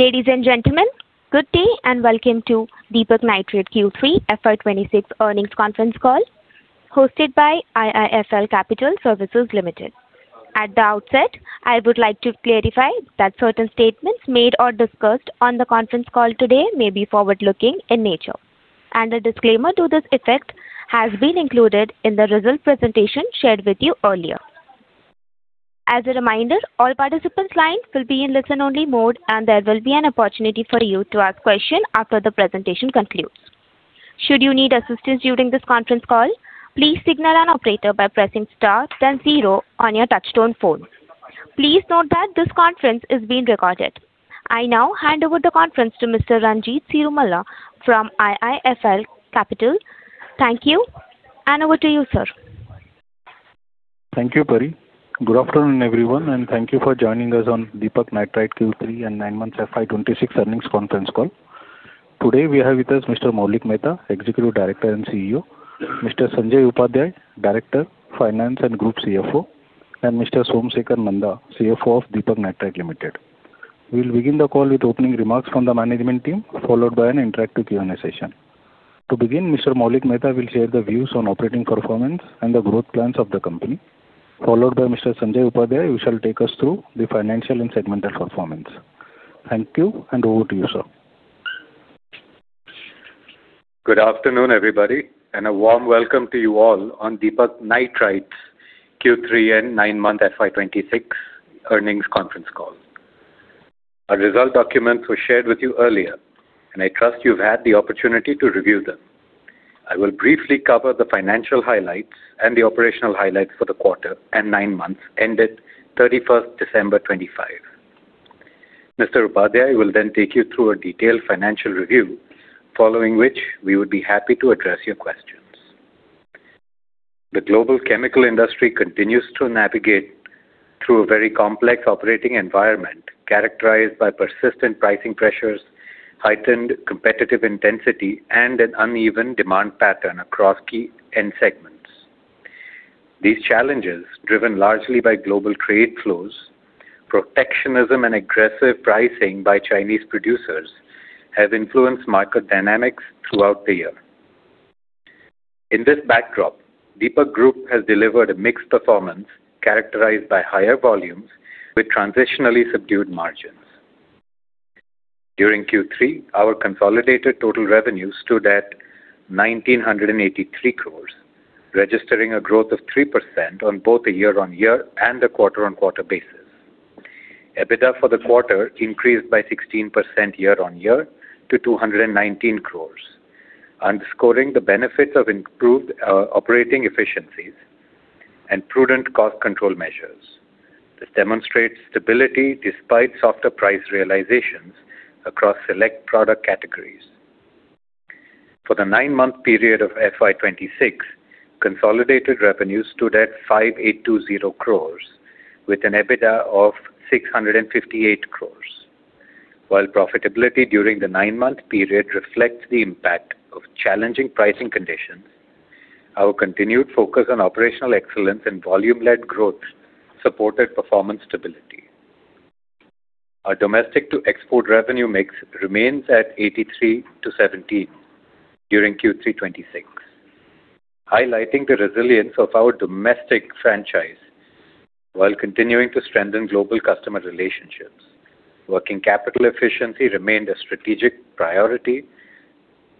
Ladies and gentlemen, good day, and welcome to Deepak Nitrite Q3 FY 2026 earnings conference call, hosted by IIFL Capital Services Limited. At the outset, I would like to clarify that certain statements made or discussed on the conference call today may be forward-looking in nature, and a disclaimer to this effect has been included in the results presentation shared with you earlier. As a reminder, all participants' lines will be in listen-only mode, and there will be an opportunity for you to ask questions after the presentation concludes. Should you need assistance during this conference call, please signal an operator by pressing star then zero on your touchtone phone. Please note that this conference is being recorded. I now hand over the conference to Mr. Ranjit Cirumalla from IIFL Capital. Thank you, and over to you, sir. Thank you, Pari. Good afternoon, everyone, and thank you for joining us on Deepak Nitrite Q3 and nine months FY 2026 earnings conference call. Today, we have with us Mr. Maulik Mehta, Executive Director and CEO, Mr. Sanjay Upadhyay, Director, Finance and Group CFO, and Mr. Somsekhar Nanda, CFO of Deepak Nitrite Limited. We'll begin the call with opening remarks from the management team, followed by an interactive Q&A session. To begin, Mr. Maulik Mehta will share the views on operating performance and the growth plans of the company, followed by Mr. Sanjay Upadhyay, who shall take us through the financial and segmental performance. Thank you, and over to you, sir. Good afternoon, everybody, and a warm welcome to you all on Deepak Nitrite's Q3 and nine-month FY 2026 earnings conference call. Our result documents were shared with you earlier, and I trust you've had the opportunity to review them. I will briefly cover the financial highlights and the operational highlights for the quarter and nine months ended 31st December 2025. Mr. Upadhyay will then take you through a detailed financial review, following which we would be happy to address your questions. The global chemical industry continues to navigate through a very complex operating environment, characterized by persistent pricing pressures, heightened competitive intensity, and an uneven demand pattern across key end segments. These challenges, driven largely by global trade flows, protectionism, and aggressive pricing by Chinese producers, have influenced market dynamics throughout the year. In this backdrop, Deepak Group has delivered a mixed performance characterized by higher volumes with transitionally subdued margins. During Q3, our consolidated total revenue stood at 1,983 crore, registering a growth of 3% on both a year-on-year and a quarter-on-quarter basis. EBITDA for the quarter increased by 16% year-on-year to 219 crore, underscoring the benefits of improved operating efficiencies and prudent cost control measures. This demonstrates stability despite softer price realizations across select product categories. For the nine-month period of FY 2026, consolidated revenue stood at 5,820 crore, with an EBITDA of 658 crore. While profitability during the nine-month period reflects the impact of challenging pricing conditions, our continued focus on operational excellence and volume-led growth supported performance stability. Our domestic to export revenue mix remains at 83:17 during Q3 FY 2026, highlighting the resilience of our domestic franchise while continuing to strengthen global customer relationships. Working capital efficiency remained a strategic priority,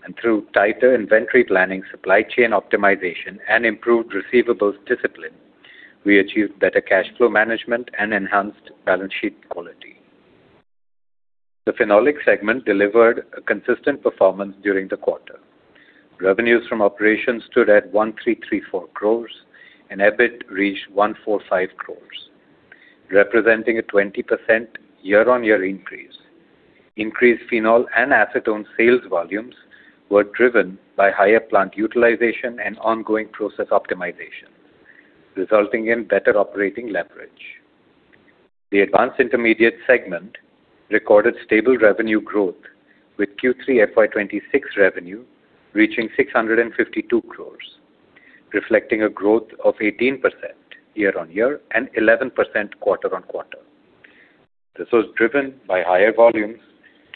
and through tighter inventory planning, supply chain optimization, and improved receivables discipline, we achieved better cash flow management and enhanced balance sheet quality. The Phenolics segment delivered a consistent performance during the quarter. Revenues from operations stood at 1,334 crore, and EBIT reached 145 crore, representing a 20% year-on-year increase. Increased Phenol and Acetone sales volumes were driven by higher plant utilization and ongoing process optimization, resulting in better operating leverage. The Advanced Intermediates segment recorded stable revenue growth, with Q3 FY 2026 revenue reaching 652 crore, reflecting a growth of 18% year-on-year and 11% quarter-on-quarter. This was driven by higher volumes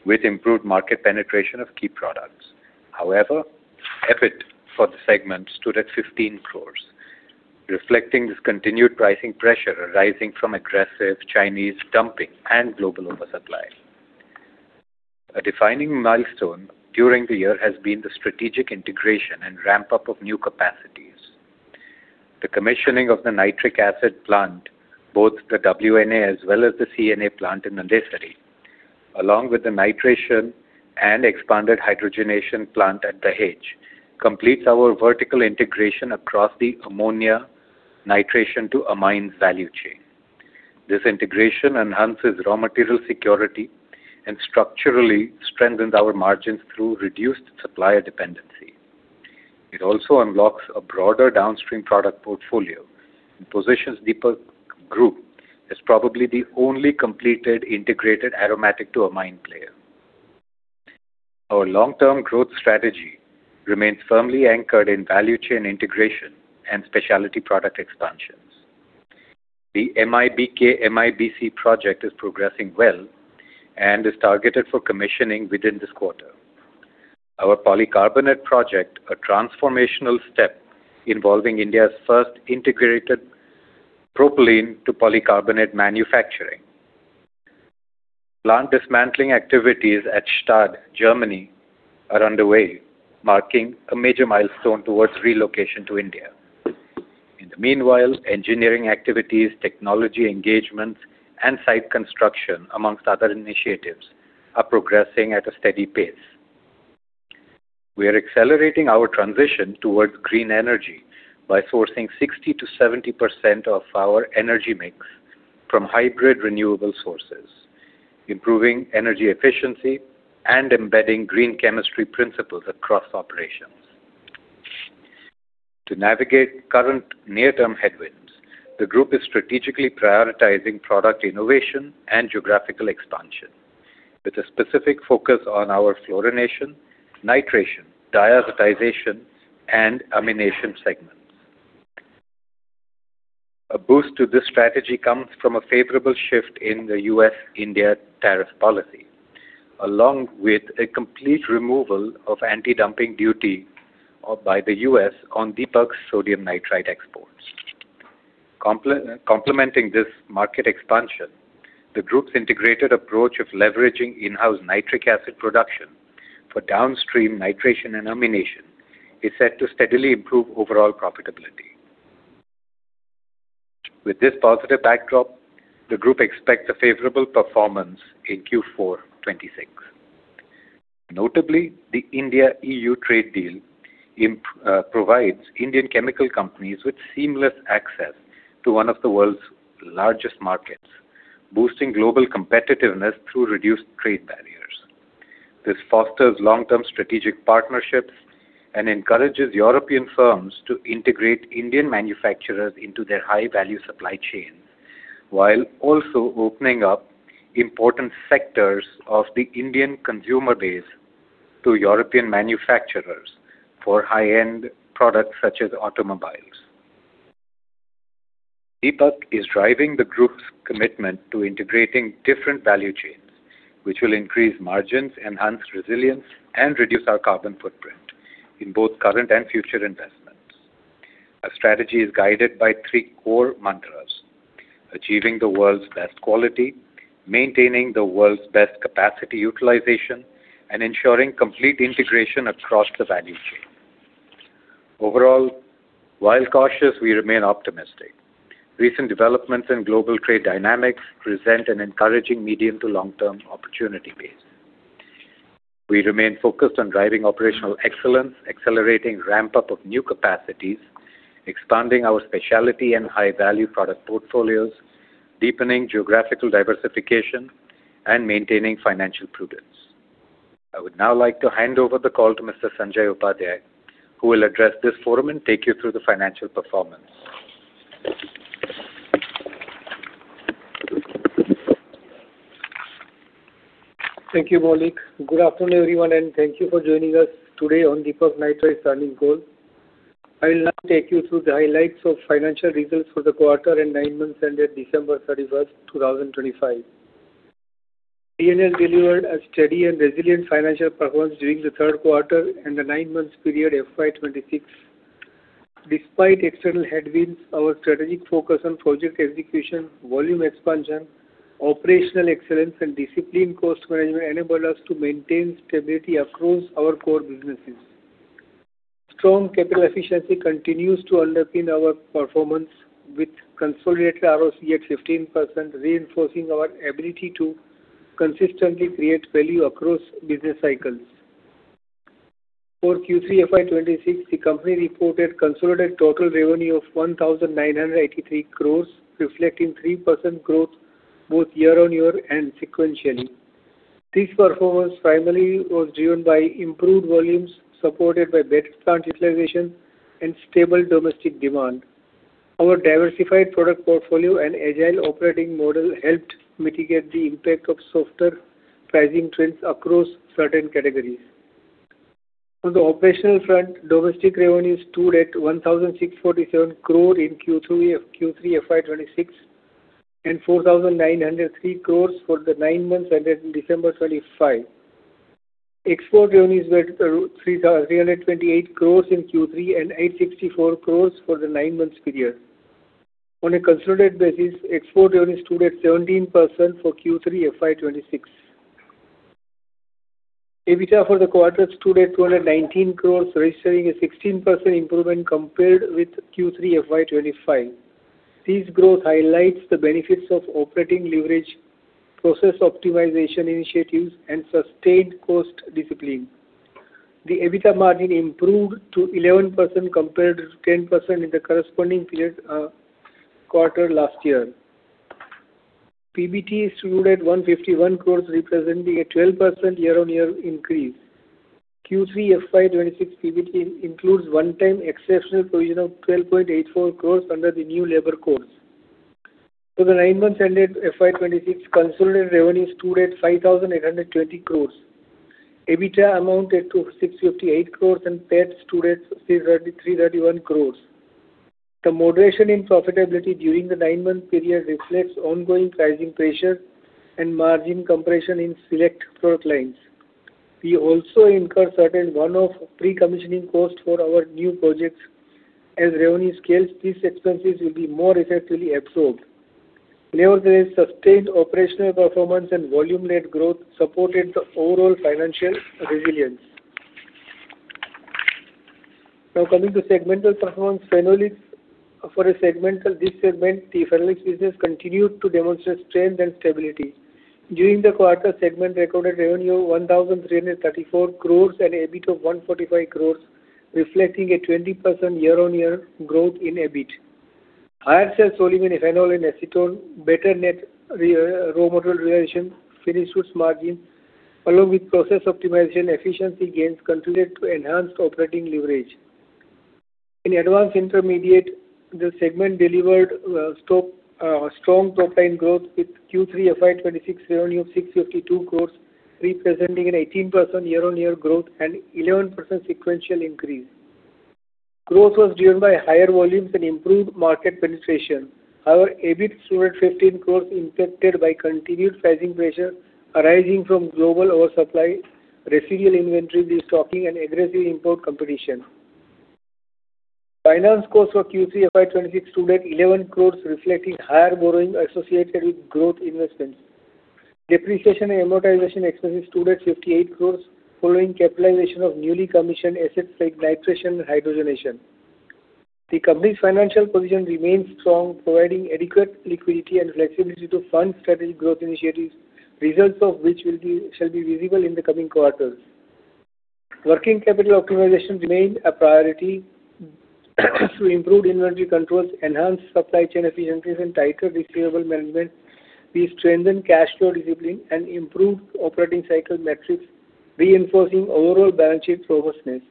with improved market penetration of key products. However, EBIT for the segment stood at 15 crore, reflecting this continued pricing pressure arising from aggressive Chinese dumping and global oversupply. A defining milestone during the year has been the strategic integration and ramp-up of new capacities. The commissioning of the Nitric Acid plant, both the WNA as well as the CNA plant in Nandesari, along with the nitration and expanded hydrogenation plant at Dahej, completes our vertical integration across the ammonia nitration to amines value chain. This integration enhances raw material security and structurally strengthens our margins through reduced supplier dependency. It also unlocks a broader downstream product portfolio and positions Deepak Group as probably the only completed integrated aromatic to amine player. Our long-term growth strategy remains firmly anchored in value chain integration and specialty product expansions. The MIBK/MIBC project is progressing well and is targeted for commissioning within this quarter. Our Polycarbonate project, a transformational step involving India's first integrated propylene to polycarbonate manufacturing. Plant dismantling activities at Stade, Germany, are underway, marking a major milestone towards relocation to India. In the meanwhile, engineering activities, technology engagements, and site construction, among other initiatives, are progressing at a steady pace. We are accelerating our transition towards green energy by sourcing 60%-70% of our energy mix from hybrid renewable sources, improving energy efficiency, and embedding green chemistry principles across operations. To navigate current near-term headwinds, the group is strategically prioritizing product innovation and geographical expansion, with a specific focus on our fluorination, nitration, diazotization, and amination segments. A boost to this strategy comes from a favorable shift in the U.S.-India tariff policy, along with a complete removal of anti-dumping duty by the U.S. on Deepak's sodium nitrite exports. Complementing this market expansion, the group's integrated approach of leveraging in-house Nitric Acid production for downstream nitration and amination is set to steadily improve overall profitability. With this positive backdrop, the group expects a favorable performance in Q4 2026. Notably, the India-EU trade deal provides Indian chemical companies with seamless access to one of the world's largest markets, boosting global competitiveness through reduced trade barriers. This fosters long-term strategic partnerships and encourages European firms to integrate Indian manufacturers into their high-value supply chains, while also opening up important sectors of the Indian consumer base to European manufacturers for high-end products, such as automobiles. Deepak is driving the group's commitment to integrating different value chains, which will increase margins, enhance resilience, and reduce our carbon footprint in both current and future investments. Our strategy is guided by three core mantras: achieving the world's best quality, maintaining the world's best capacity utilization, and ensuring complete integration across the value chain. Overall, while cautious, we remain optimistic. Recent developments in global trade dynamics present an encouraging medium to long-term opportunity base. We remain focused on driving operational excellence, accelerating ramp-up of new capacities, expanding our specialty and high-value product portfolios, deepening geographical diversification, and maintaining financial prudence. I would now like to hand over the call to Mr. Sanjay Upadhyay, who will address this forum and take you through the financial performance. Thank you, Maulik. Good afternoon, everyone, and thank you for joining us today on Deepak Nitrite's earnings call. I will now take you through the highlights of financial results for the quarter and nine months ended December 31, 2025. DNL delivered a steady and resilient financial performance during the third quarter and the nine months period FY 2026. Despite external headwinds, our strategic focus on project execution, volume expansion, operational excellence, and disciplined cost management enabled us to maintain stability across our core businesses. Strong capital efficiency continues to underpin our performance with consolidated ROCE at 15%, reinforcing our ability to consistently create value across business cycles. For Q3 FY 2026, the company reported consolidated total revenue of 1,983 crore, reflecting 3% growth both year-on-year and sequentially. This performance primarily was driven by improved volumes, supported by better plant utilization and stable domestic demand. Our diversified product portfolio and agile operating model helped mitigate the impact of softer pricing trends across certain categories. On the operational front, domestic revenue stood at 1,647 crore in Q3, Q3 FY 2026, and 4,903 crore for the nine months ended December 2025. Export revenues were 3,328 crores in Q3 and 864 crores for the nine months period. On a consolidated basis, export revenue stood at 17% for Q3 FY 2026. EBITDA for the quarter stood at 219 crore, registering a 16% improvement compared with Q3 FY 2025. This growth highlights the benefits of operating leverage, process optimization initiatives, and sustained cost discipline. The EBITDA margin improved to 11%, compared to 10% in the corresponding period, quarter last year. PBT stood at 151 crores, representing a 12% year-on-year increase. Q3 FY 2026 PBT includes one-time exceptional provision of 12.84 crores under the new labor codes. So the nine months ended FY 2026, consolidated revenue stood at 5,830 crores. EBITDA amounted to 658 crores, and PAT stood at 331 crores. The moderation in profitability during the nine-month period reflects ongoing pricing pressures and margin compression in select product lines. We also incurred certain one-off pre-commissioning costs for our new projects. As revenue scales, these expenses will be more effectively absorbed. Nevertheless, sustained operational performance and volume-led growth supported the overall financial resilience. Now, coming to segmental performance, Phenolics. For this segment, the Phenolics business continued to demonstrate strength and stability. During the quarter, segment recorded revenue of 1,334 crore and EBIT of 145 crore, reflecting a 20% year-on-year growth in EBIT. Higher sales volume in Phenol and Acetone, better net raw material realization, finished goods margin, along with process optimization, efficiency gains continued to enhance operating leverage. In Advanced Intermediates, the segment delivered strong top-line growth, with Q3 FY 2026 revenue of 652 crore, representing an 18% year-on-year growth and 11% sequential increase. Growth was driven by higher volumes and improved market penetration. However, EBIT stood at 15 crore, impacted by continued pricing pressure arising from global oversupply, residual inventory destocking and aggressive import competition. Finance costs for Q3 FY 2026 stood at 11 crore, reflecting higher borrowing associated with growth investments. Depreciation and amortization expenses stood at 58 crore, following capitalization of newly commissioned assets like nitration and hydrogenation. The company's financial position remains strong, providing adequate liquidity and flexibility to fund strategic growth initiatives, results of which will be, shall be visible in the coming quarters. Working capital optimization remained a priority, to improve inventory controls, enhance supply chain efficiencies, and tighter receivable management. We strengthened cash flow discipline and improved operating cycle metrics, reinforcing overall balance sheet robustness.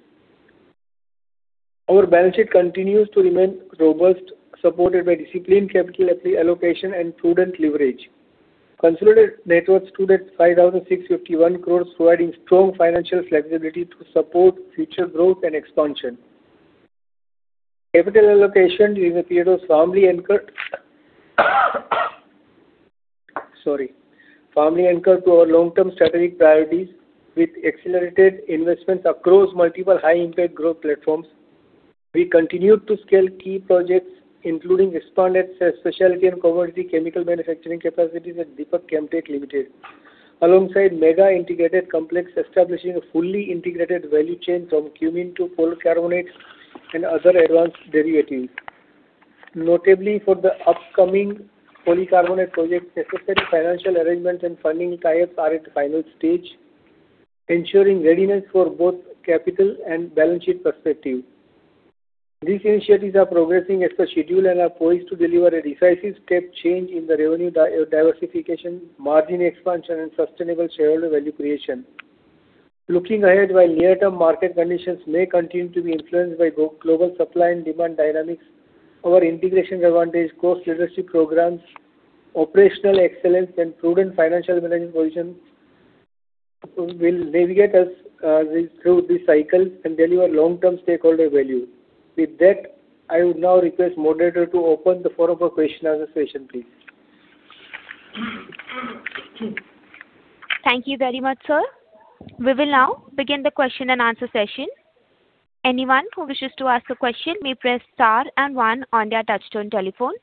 Our balance sheet continues to remain robust, supported by disciplined capital allocation and prudent leverage. Consolidated net worth stood at 5,651 crore, providing strong financial flexibility to support future growth and expansion. Capital allocation during the period was firmly anchored... Sorry. Firmly anchored to our long-term strategic priorities, with accelerated investments across multiple high-impact growth platforms. We continued to scale key projects, including expanded specialty and commodity chemical manufacturing capacities at Deepak Chem Tech Limited, alongside mega integrated complex, establishing a fully integrated value chain from cumene to polycarbonate and other advanced derivatives. Notably, for the upcoming polycarbonate project, necessary financial arrangements and funding tie-ups are at the final stage, ensuring readiness for both capital and balance sheet perspective. These initiatives are progressing as per schedule and are poised to deliver a decisive step change in the revenue diversification, margin expansion and sustainable shareholder value creation. Looking ahead, while near-term market conditions may continue to be influenced by global supply and demand dynamics, our integration advantage, cost leadership programs, operational excellence and prudent financial management position will navigate us through this cycle and deliver long-term stakeholder value. With that, I would now request moderator to open the floor for question-and-answer session, please. Thank you very much, sir. We will now begin the question and answer session. Anyone who wishes to ask a question may press star and one on their touchtone telephone.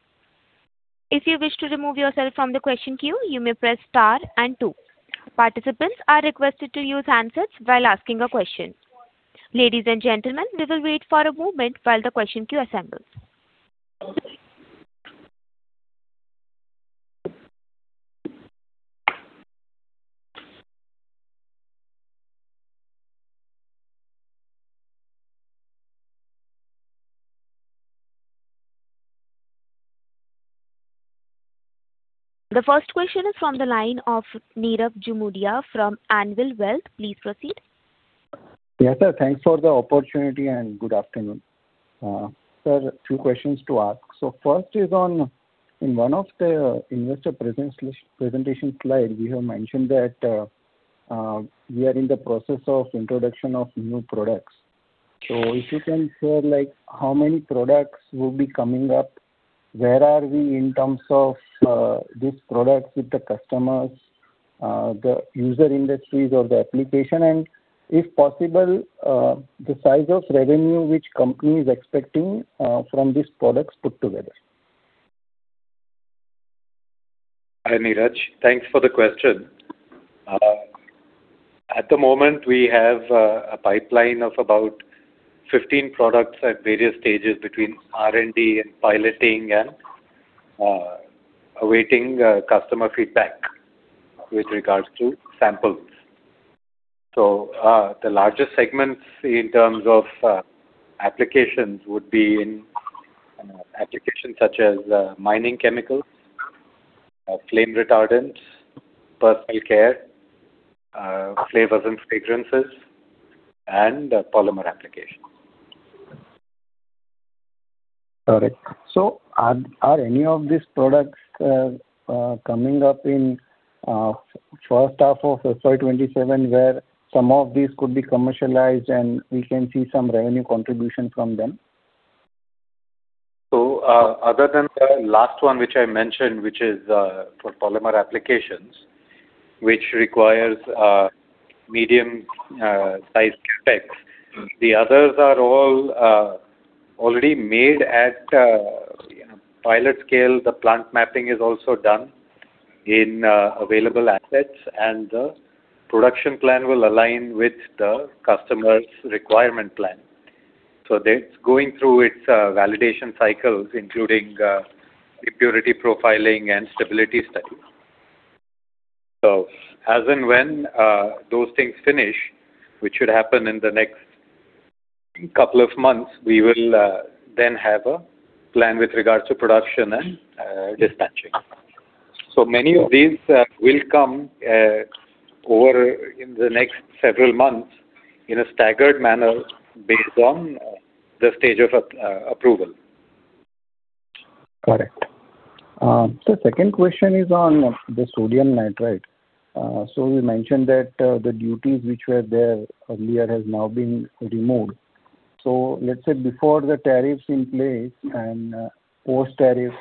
If you wish to remove yourself from the question queue, you may press star and two. Participants are requested to use handsets while asking a question. Ladies and gentlemen, we will wait for a moment while the question queue assembles. The first question is from the line of Nirav Jimudia from Anvil Wealth. Please proceed. Yeah, sir. Thanks for the opportunity, and good afternoon. Sir, a few questions to ask. So first is on, in one of the investor presentation slide, you have mentioned that, we are in the process of introduction of new products. So if you can share, like, how many products will be coming up? Where are we in terms of, these products with the customers, the user industries or the application, and if possible, the size of revenue which company is expecting, from these products put together? Hi, Nirav. Thanks for the question. At the moment, we have a pipeline of about 15 products at various stages between R&D and piloting and awaiting customer feedback with regards to samples. So, the largest segments in terms of applications would be in applications such as mining chemicals, flame retardants, personal care, flavors and fragrances, and polymer applications. Correct. So are any of these products coming up in first half of FY 2027, where some of these could be commercialized and we can see some revenue contribution from them? So, other than the last one, which I mentioned, which is for polymer applications, which requires medium sized CapEx. The others are all already made at pilot scale. The plant mapping is also done in available assets, and the production plan will align with the customer's requirement plan. So that's going through its validation cycles, including impurity profiling and stability studies. So as and when those things finish, which should happen in the next couple of months, we will then have a plan with regards to production and dispatching. So many of these will come over in the next several months in a staggered manner based on the stage of a approval. Correct. The second question is on the sodium nitrite. So you mentioned that, the duties which were there earlier has now been removed. So let's say before the tariffs in place and, post tariffs,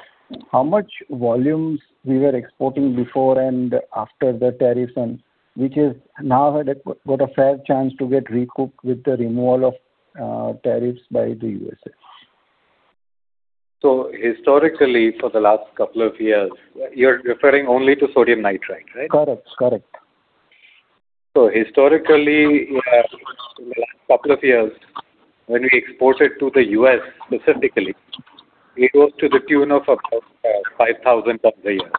how much volumes we were exporting before and after the tariffs, and which has now had a, got a fair chance to get recouped with the removal of, tariffs by the USA. Historically, for the last couple of years—You're referring only to sodium nitrite, right? Correct. Correct. So historically, in the last couple of years, when we exported to the U.S. specifically, it was to the tune of about 5,000 tons a year.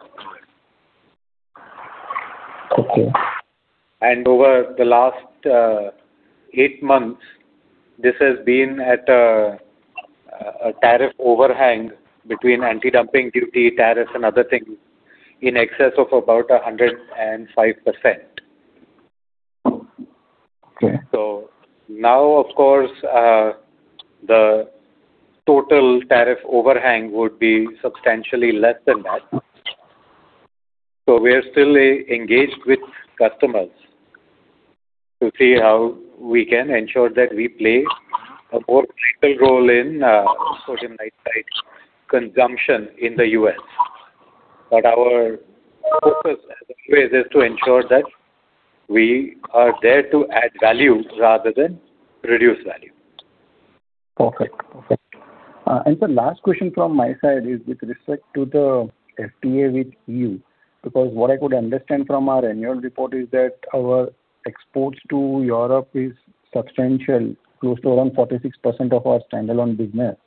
Okay. Over the last eight months, this has been at a tariff overhang between anti-dumping duty, tariffs, and other things in excess of about 105%. Okay. So now, of course, the total tariff overhang would be substantially less than that. So we are still engaged with customers to see how we can ensure that we play a more vital role in sodium nitrite consumption in the U.S. But our focus as always, is to ensure that we are there to add value rather than reduce value. Perfect. Perfect. And the last question from my side is with respect to the FTA with EU, because what I could understand from our annual report is that our exports to Europe is substantial, close to around 46% of our standalone business.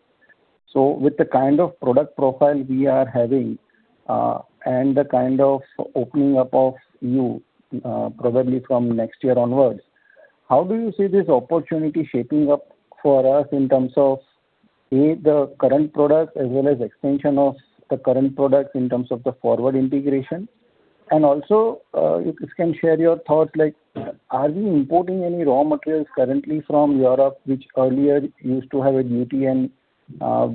So with the kind of product profile we are having, and the kind of opening up of EU, probably from next year onwards, how do you see this opportunity shaping up for us in terms of, A, the current products as well as extension of the current products in terms of the forward integration? And also, if you can share your thoughts, like, are we importing any raw materials currently from Europe, which earlier used to have a duty and,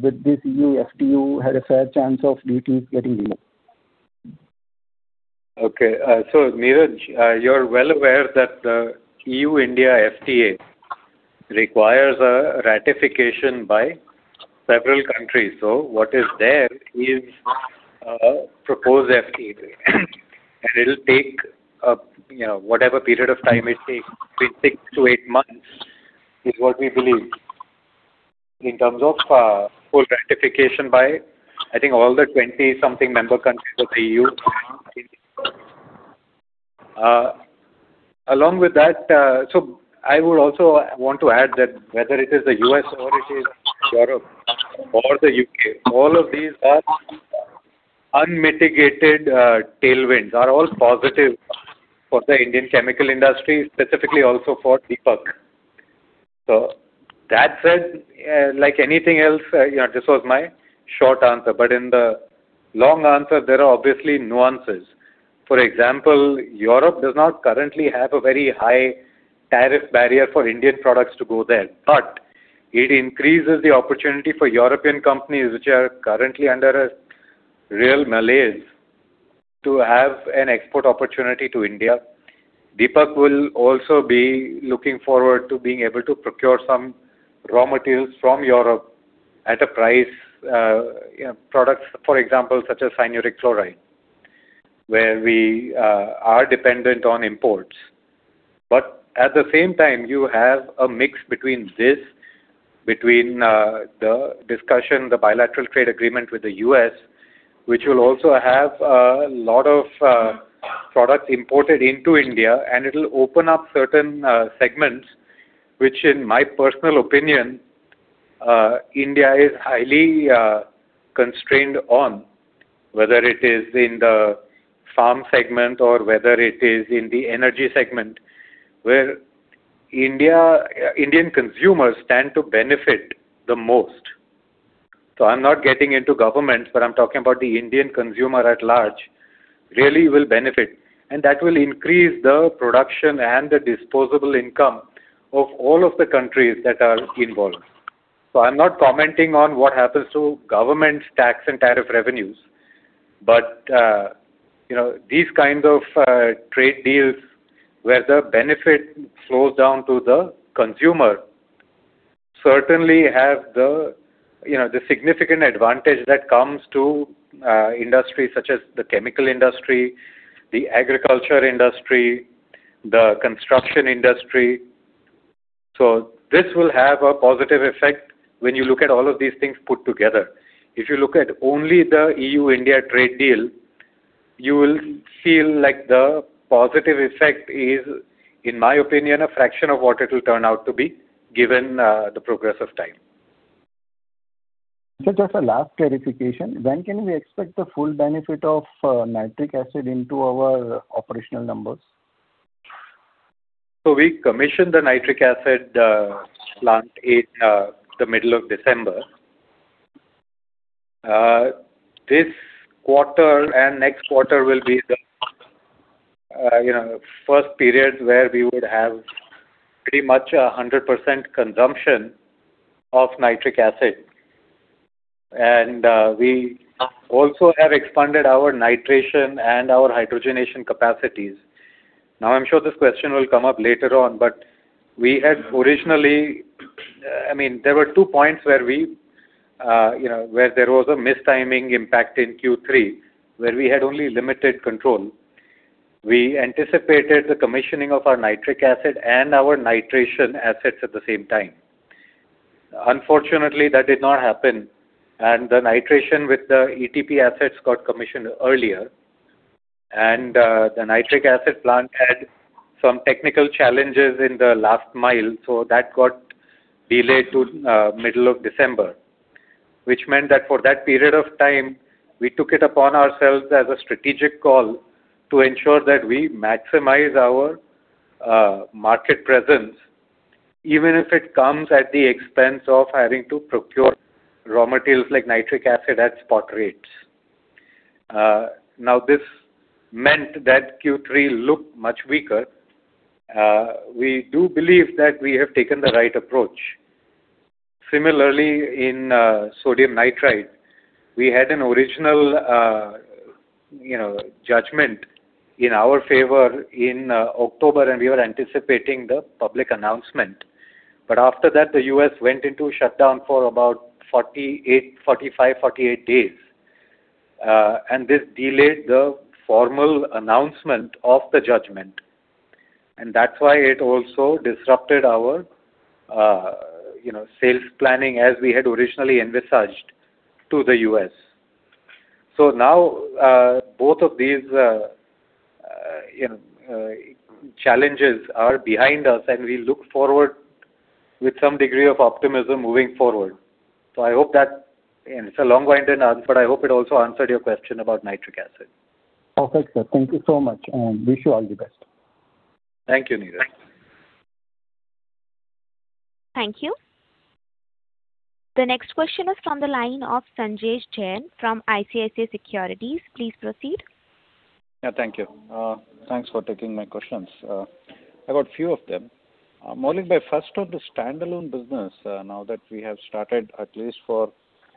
with this EU FTA, you had a fair chance of duties getting in? Okay. So, Nirav, you're well aware that the EU-India FTA requires a ratification by several countries. So what is there is, proposed FTA, and it'll take, you know, whatever period of time it takes, between six to eight months, is what we believe in terms of, full ratification by, I think all the 20-something member countries of the EU Along with that, so I would also want to add that whether it is the U.S. or it is Europe or the U.K., all of these are unmitigated, tailwinds, are all positive for the Indian chemical industry, specifically also for Deepak. So that said, like anything else, you know, this was my short answer, but in the long answer, there are obviously nuances. For example, Europe does not currently have a very high tariff barrier for Indian products to go there, but it increases the opportunity for European companies, which are currently under a real malaise, to have an export opportunity to India. Deepak will also be looking forward to being able to procure some raw materials from Europe at a price, you know, products, for example, such as cyanuric chloride, where we are dependent on imports. But at the same time, you have a mix between this, between, the discussion, the bilateral trade agreement with the U.S., which will also have a lot of, products imported into India, and it'll open up certain, segments, which, in my personal opinion, India is highly, constrained on, whether it is in the farm segment or whether it is in the energy segment, where India, Indian consumers stand to benefit the most. So I'm not getting into government, but I'm talking about the Indian consumer at large, really will benefit, and that will increase the production and the disposable income of all of the countries that are involved. So I'm not commenting on what happens to government's tax and tariff revenues, but, you know, these kinds of trade deals, where the benefit flows down to the consumer, certainly have the, you know, the significant advantage that comes to industries such as the chemical industry, the agriculture industry, the construction industry. So this will have a positive effect when you look at all of these things put together. If you look at only the EU-India trade deal, you will feel like the positive effect is, in my opinion, a fraction of what it will turn out to be, given the progress of time. Sir, just a last clarification. When can we expect the full benefit of Nitric Acid into our operational numbers? So we commissioned the Nitric Acid plant in the middle of December. This quarter and next quarter will be the you know first period where we would have pretty much 100% consumption of Nitric Acid. And we also have expanded our nitration and our hydrogenation capacities. Now, I'm sure this question will come up later on, but we had originally, I mean, there were two points where we you know where there was a mistiming impact in Q3, where we had only limited control. We anticipated the commissioning of our Nitric Acid and our nitration assets at the same time. Unfortunately, that did not happen, and the nitration with the ETP assets got commissioned earlier, and the Nitric Acid plant had some technical challenges in the last mile, so that got delayed to middle of December. Which meant that for that period of time, we took it upon ourselves as a strategic call to ensure that we maximize our market presence, even if it comes at the expense of having to procure raw materials like Nitric Acid at spot rates. Now, this meant that Q3 looked much weaker. We do believe that we have taken the right approach. Similarly, in sodium nitrite, we had an original you know, judgment in our favor in October, and we were anticipating the public announcement. But after that, the U.S. went into shutdown for about 48, 45, 48 days, and this delayed the formal announcement of the judgment. That's why it also disrupted our you know, sales planning as we had originally envisaged to the U.S. So now, both of these, you know, challenges are behind us, and we look forward with some degree of optimism moving forward. So I hope that, it's a long-winded answer, but I hope it also answered your question about Nitric Acid. Perfect, sir. Thank you so much, and wish you all the best. Thank you, Nirav. Thank you. The next question is from the line of Sanjesh Jain from ICICI Securities. Please proceed. Yeah, thank you. Thanks for taking my questions. I got few of them. Maulik, first on the standalone business, now that we have started, at least for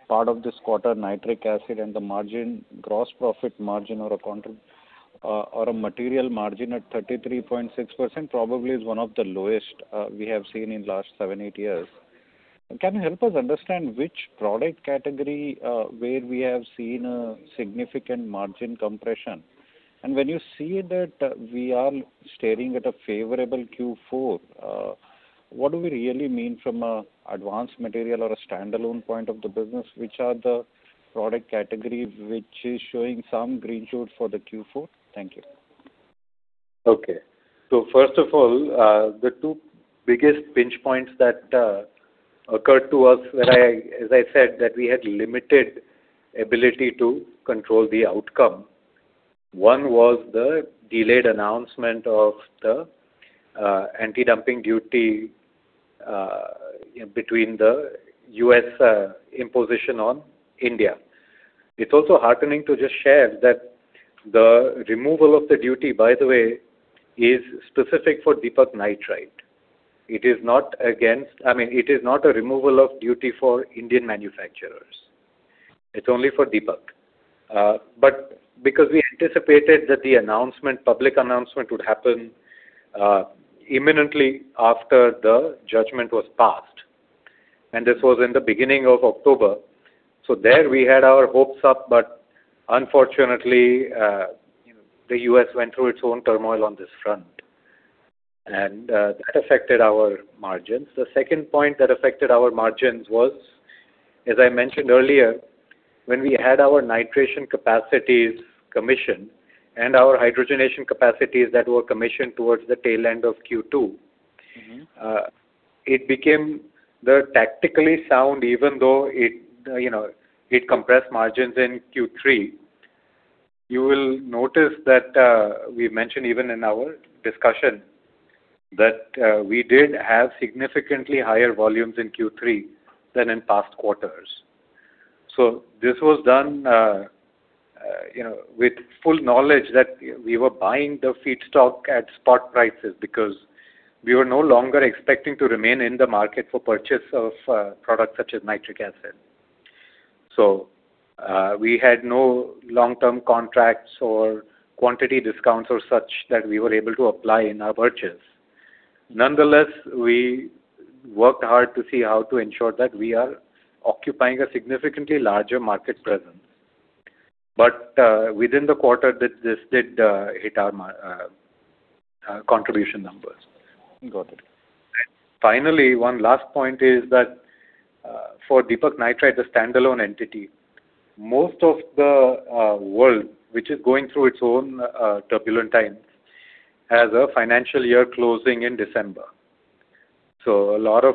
part of this quarter, Nitric Acid and the margin, gross profit margin or a material margin at 33.6% probably is one of the lowest we have seen in last seven, eight years. Can you help us understand which product category where we have seen a significant margin compression? And when you see that we are staring at a favorable Q4, what do we really mean from a advanced material or a standalone point of the business, which are the product category which is showing some green shoots for the Q4? Thank you. Okay. So first of all, the two biggest pinch points that occurred to us, where I, as I said, that we had limited ability to control the outcome. One was the delayed announcement of the anti-dumping duty between the U.S. imposition on India. It's also heartening to just share that the removal of the duty, by the way, is specific for Deepak Nitrite. It is not against, I mean, it is not a removal of duty for Indian manufacturers. It's only for Deepak. But because we anticipated that the announcement, public announcement, would happen imminently after the judgment was passed, and this was in the beginning of October. So there we had our hopes up, but unfortunately, the U.S. went through its own turmoil on this front, and that affected our margins. The second point that affected our margins was, as I mentioned earlier, when we had our nitration capacities commissioned and our hydrogenation capacities that were commissioned towards the tail end of Q2. Mm-hmm. It became the tactically sound, even though it, you know, it compressed margins in Q3. You will notice that we mentioned even in our discussion that we did have significantly higher volumes in Q3 than in past quarters. So this was done, you know, with full knowledge that we were buying the feedstock at spot prices because we were no longer expecting to remain in the market for purchase of products such as Nitric Acid. So we had no long-term contracts or quantity discounts or such that we were able to apply in our purchase. Nonetheless, we worked hard to see how to ensure that we are occupying a significantly larger market presence. But within the quarter, that this did hit our contribution numbers. Got it. Finally, one last point is that, for Deepak Nitrite, the standalone entity, most of the world, which is going through its own turbulent times, has a financial year closing in December. So a lot of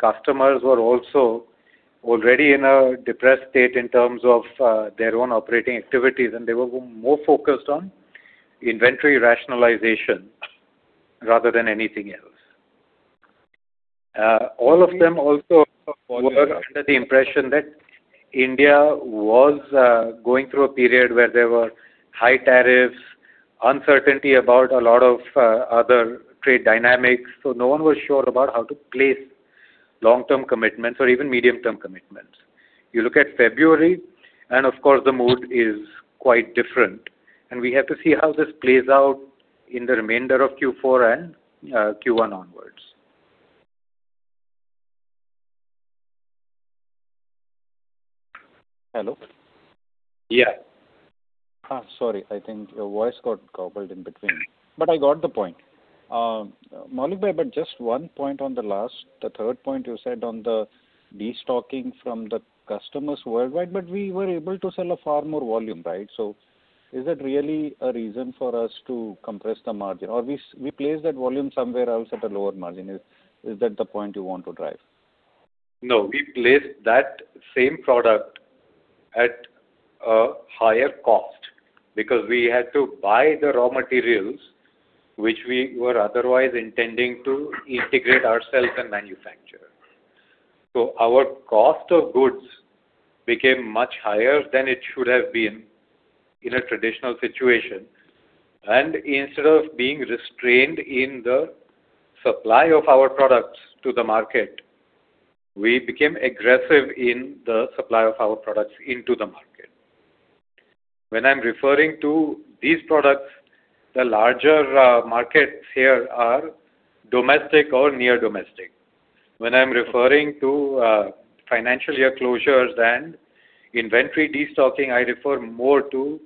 customers were also already in a depressed state in terms of their own operating activities, and they were more focused on inventory rationalization rather than anything else. All of them also were under the impression that India was going through a period where there were high tariffs, uncertainty about a lot of other trade dynamics, so no one was sure about how to place long-term commitments or even medium-term commitments. You look at February, and of course, the mood is quite different, and we have to see how this plays out in the remainder of Q4 and Q1 onwards. Hello? Yeah. Sorry, I think your voice got garbled in between, but I got the point. Maulik but just one point on the last, the third point you said on the destocking from the customers worldwide, but we were able to sell a far more volume, right? So is that really a reason for us to compress the margin, or we place that volume somewhere else at a lower margin? Is that the point you want to drive? No, we placed that same product at a higher cost because we had to buy the raw materials, which we were otherwise intending to integrate ourselves and manufacture. So our cost of goods became much higher than it should have been in a traditional situation, and instead of being restrained in the supply of our products to the market, we became aggressive in the supply of our products into the market. When I'm referring to these products, the larger markets here are domestic or near domestic. When I'm referring to financial year closures and inventory destocking, I refer more to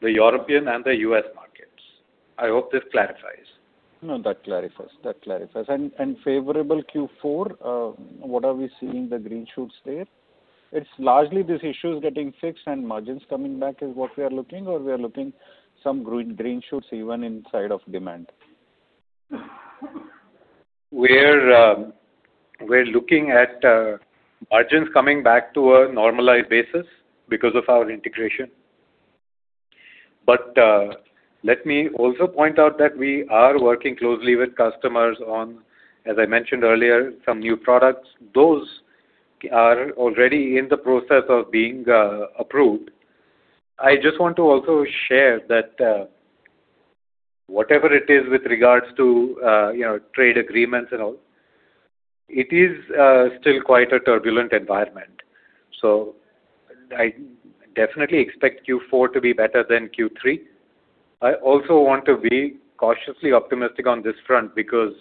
the European and the U.S. markets. I hope this clarifies. No, that clarifies. That clarifies. And, and favorable Q4, what are we seeing the green shoots there? It's largely these issues getting fixed and margins coming back is what we are looking, or we are looking some green, green shoots even inside of demand? We're looking at margins coming back to a normalized basis because of our integration. But let me also point out that we are working closely with customers on, as I mentioned earlier, some new products. Those are already in the process of being approved. I just want to also share that, whatever it is with regards to, you know, trade agreements and all, it is still quite a turbulent environment. So I definitely expect Q4 to be better than Q3. I also want to be cautiously optimistic on this front, because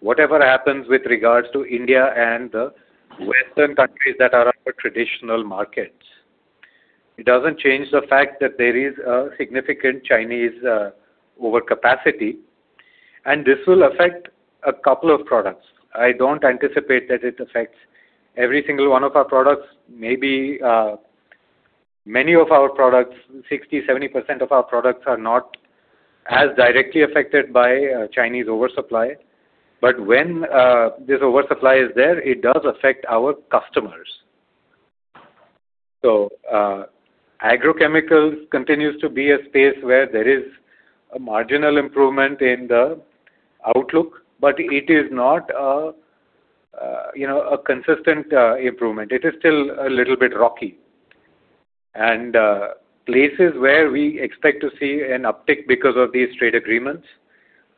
whatever happens with regards to India and the western countries that are our traditional markets, it doesn't change the fact that there is a significant Chinese overcapacity, and this will affect a couple of products. I don't anticipate that it affects every single one of our products. Maybe, many of our products, 60%, 70% of our products are not as directly affected by Chinese oversupply. But when this oversupply is there, it does affect our customers. So, agrochemicals continues to be a space where there is a marginal improvement in the outlook, but it is not a, you know, a consistent improvement. It is still a little bit rocky. Places where we expect to see an uptick because of these trade agreements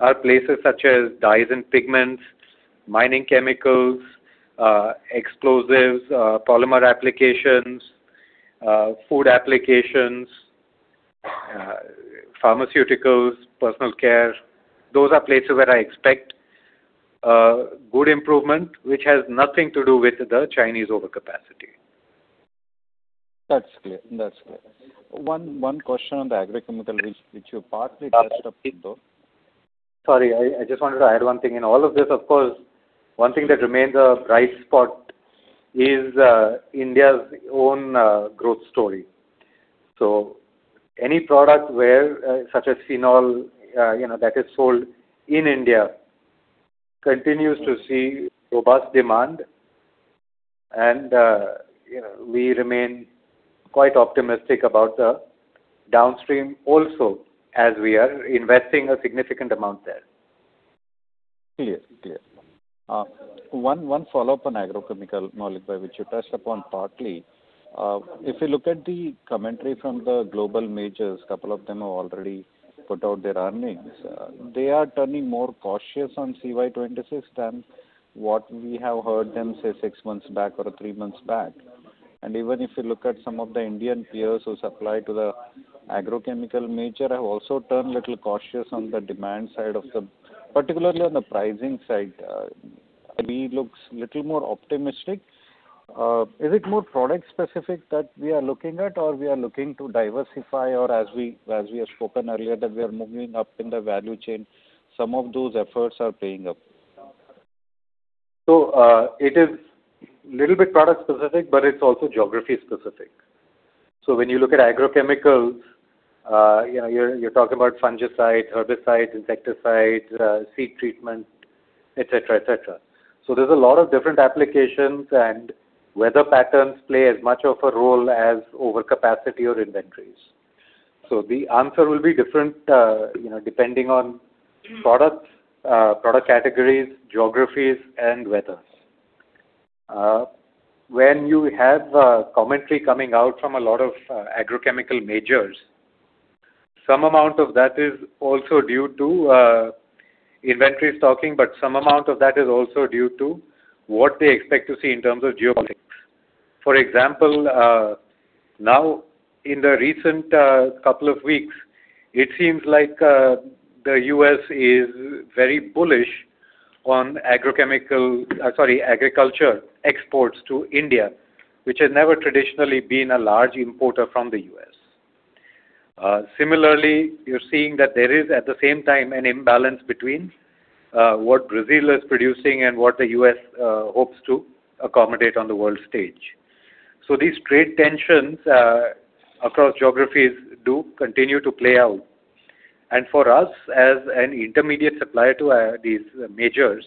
are places such as dyes and pigments, mining chemicals, explosives, polymer applications, food applications, pharmaceuticals, personal care. Those are places where I expect good improvement, which has nothing to do with the Chinese overcapacity. That's clear. One question on the agrochemical, which you partly touched upon, though. Sorry, I, I just wanted to add one thing. In all of this, of course, one thing that remains a bright spot is India's own growth story. So any product where, such as Phenol, you know, that is sold in India, continues to see robust demand. And, you know, we remain quite optimistic about the downstream also, as we are investing a significant amount there. Clear. Clear. One follow-up on agrochemical, Maulik, which you touched upon partly. If you look at the commentary from the global majors, couple of them have already put out their earnings. They are turning more cautious on CY 2026 than what we have heard them say six months back or three months back. And even if you look at some of the Indian peers who supply to the agrochemical major, have also turned a little cautious on the demand side of the- particularly on the pricing side, we looks little more optimistic. Is it more product specific that we are looking at, or we are looking to diversify, or as we, as we have spoken earlier, that we are moving up in the value chain, some of those efforts are paying up? So, it is little bit product specific, but it's also geography specific. So when you look at agrochemicals, you know, you're talking about fungicides, herbicides, insecticides, seed treatment, et cetera, et cetera. So there's a lot of different applications, and weather patterns play as much of a role as overcapacity or inventories. So the answer will be different, you know, depending on products, product categories, geographies, and weathers. When you have commentary coming out from a lot of agrochemical majors, some amount of that is also due to inventory stocking, but some amount of that is also due to what they expect to see in terms of geopolitics. For example, now, in the recent couple of weeks, it seems like the U.S. is very bullish on agriculture exports to India, which has never traditionally been a large importer from the U.S. Similarly, you're seeing that there is, at the same time, an imbalance between what Brazil is producing and what the U.S. hopes to accommodate on the world stage. So these trade tensions across geographies do continue to play out. And for us, as an intermediate supplier to these majors,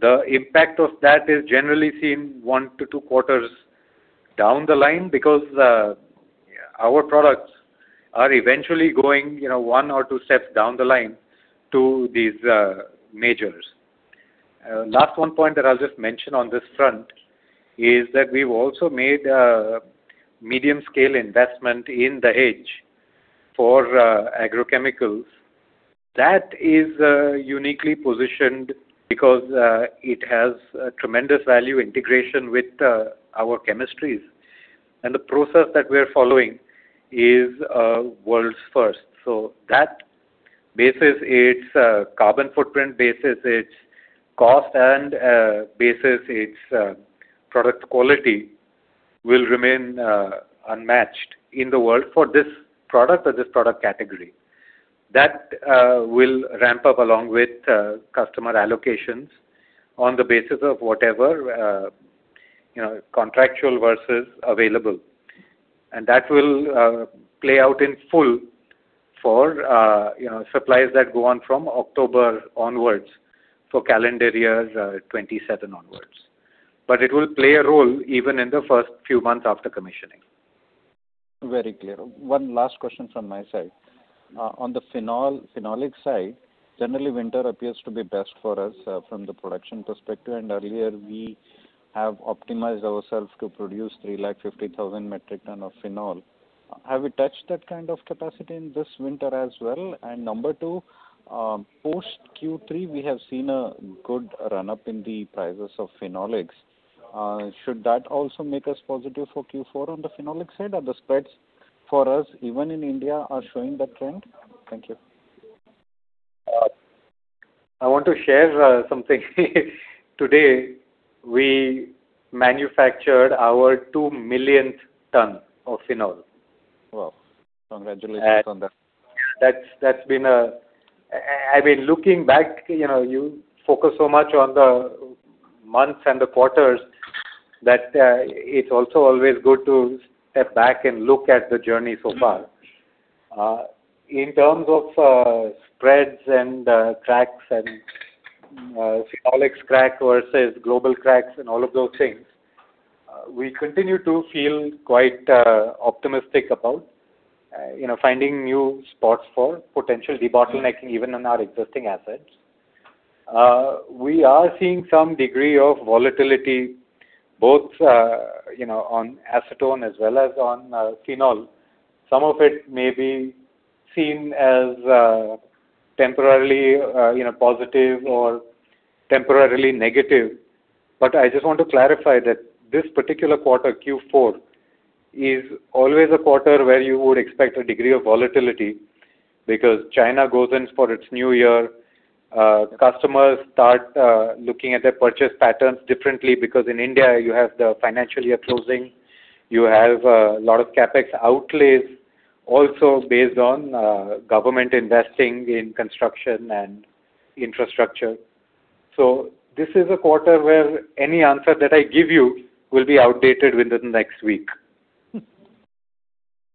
the impact of that is generally seen one to two quarters down the line, because our products are eventually going, you know, one or two steps down the line to these majors. Last one point that I'll just mention on this front is that we've also made a medium-scale investment in Dahej for agrochemicals. That is uniquely positioned because it has a tremendous value integration with our chemistries. And the process that we are following is world's first. So that bases its carbon footprint, bases its cost, and bases its product quality, will remain unmatched in the world for this product or this product category. That will ramp up along with customer allocations on the basis of whatever you know, contractual versus available. And that will play out in full for you know, supplies that go on from October onwards, for calendar years 2027 onwards. But it will play a role even in the first few months after commissioning. Very clear. One last question from my side. On the Phenol, Phenolic side, generally, winter appears to be best for us, from the production perspective, and earlier, we have optimized ourselves to produce 350,000 metric ton of Phenol. Have we touched that kind of capacity in this winter as well? And number two, post Q3, we have seen a good run-up in the prices of Phenolics. Should that also make us positive for Q4 on the Phenolic side, or the spreads for us, even in India, are showing that trend? Thank you. I want to share something. Today, we manufactured our 2 millionth ton of Phenol. Wow! Congratulations on that. I mean, looking back, you know, you focus so much on the months and the quarters, that it's also always good to step back and look at the journey so far. In terms of spreads and cracks and Phenolics crack versus global cracks and all of those things, we continue to feel quite optimistic about, you know, finding new spots for potential debottlenecking even on our existing assets. We are seeing some degree of volatility, both, you know, on Acetone as well as on Phenol. Some of it may be seen as temporarily, you know, positive or temporarily negative. I just want to clarify that this particular quarter, Q4, is always a quarter where you would expect a degree of volatility because China goes in for its new year. Customers start looking at their purchase patterns differently because in India, you have the financial year closing. You have a lot of CapEx outlays also based on government investing in construction and infrastructure. So this is a quarter where any answer that I give you will be outdated within the next week.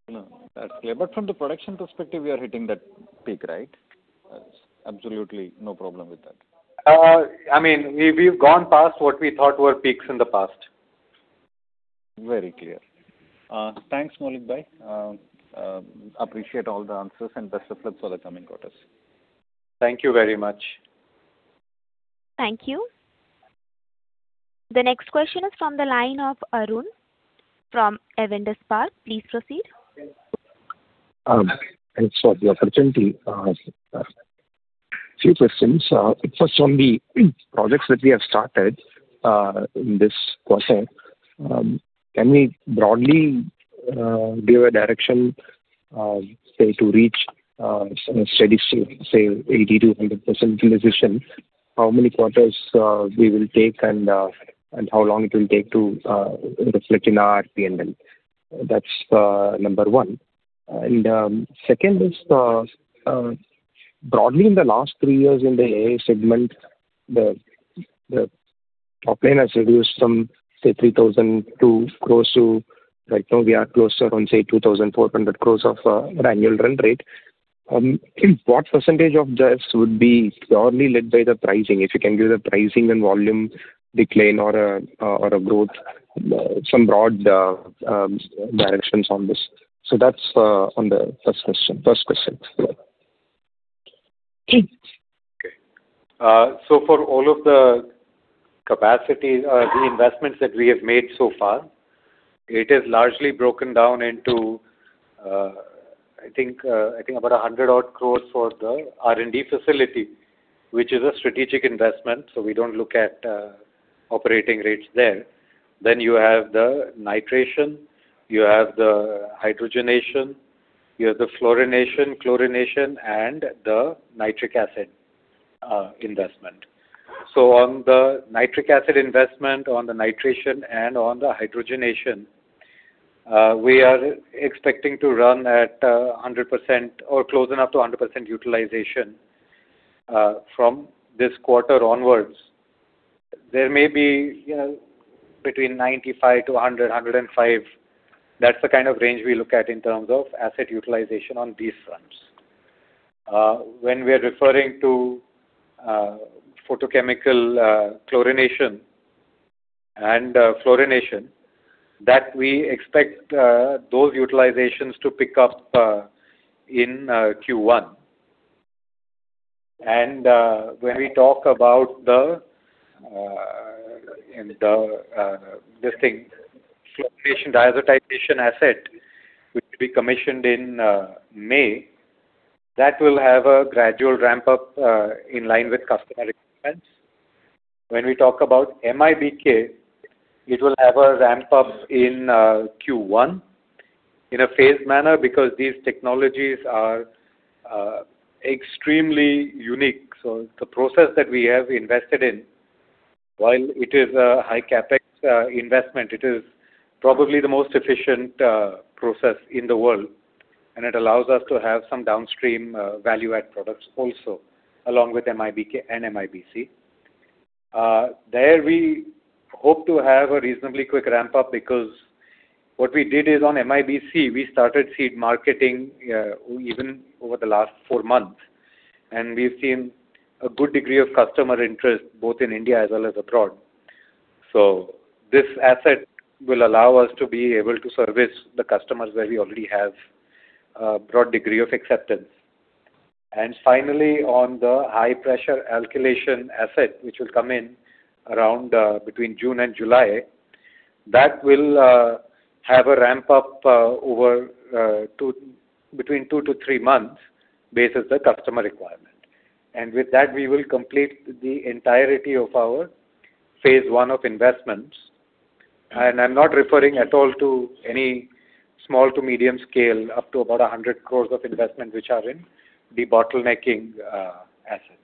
No, that's clear. But from the production perspective, we are hitting that peak, right? Absolutely, no problem with that. I mean, we've gone past what we thought were peaks in the past. Very clear. Thanks, Maulik. Appreciate all the answers, and best of luck for the coming quarters. Thank you very much. Thank you. The next question is from the line of Arun from Avendus Spark. Please proceed. Thanks for the opportunity. Few questions. First, on the projects that we have started in this quarter, can we broadly give a direction, say, to reach some steady state, say, 80%-100% utilization? How many quarters we will take, and how long it will take to reflect in our RPM? That's number one. And second is, broadly in the last three years in the AI segment, the top line has reduced from, say, 3,200 crore to right now we are closer on, say, 2,400 crore of annual run rate. What percentage of this would be broadly led by the pricing? If you can give the pricing and volume decline or a growth, some broad directions on this. That's on the first question, first question. Okay. So for all of the capacity, the investments that we have made so far, it is largely broken down into, I think about 100 crore for the R&D facility, which is a strategic investment, so we don't look at operating rates there. Then you have the nitration, you have the hydrogenation, you have the fluorination, chlorination, and the Nitric Acid investment. So on the Nitric Acid investment, on the nitration, and on the hydrogenation, we are expecting to run at 100% or close enough to 100% utilization from this quarter onwards. There may be, you know, between 95%-100%, 100%-105%. That's the kind of range we look at in terms of asset utilization on these fronts. When we are referring to photochemical chlorination and fluorination, that we expect those utilizations to pick up in Q1. When we talk about the fluorination diazotization asset, which will be commissioned in May, that will have a gradual ramp-up in line with customer requirements. When we talk about MIBK, it will have a ramp-up in Q1 in a phased manner, because these technologies are extremely unique. So the process that we have invested in, while it is a high CapEx investment, it is probably the most efficient process in the world, and it allows us to have some downstream value-add products also, along with MIBK and MIBC. There, we hope to have a reasonably quick ramp-up, because what we did is on MIBC, we started seed marketing even over the last four months, and we've seen a good degree of customer interest, both in India as well as abroad. So this asset will allow us to be able to service the customers where we already have a broad degree of acceptance. And finally, on the high pressure alkylation asset, which will come in around between June and July, that will have a ramp-up between two-to-three months, based on the customer requirement. And with that, we will complete the entirety of our phase one of investments. And I'm not referring at all to any small to medium scale, up to about 100 crore of investment, which are in the bottlenecking assets.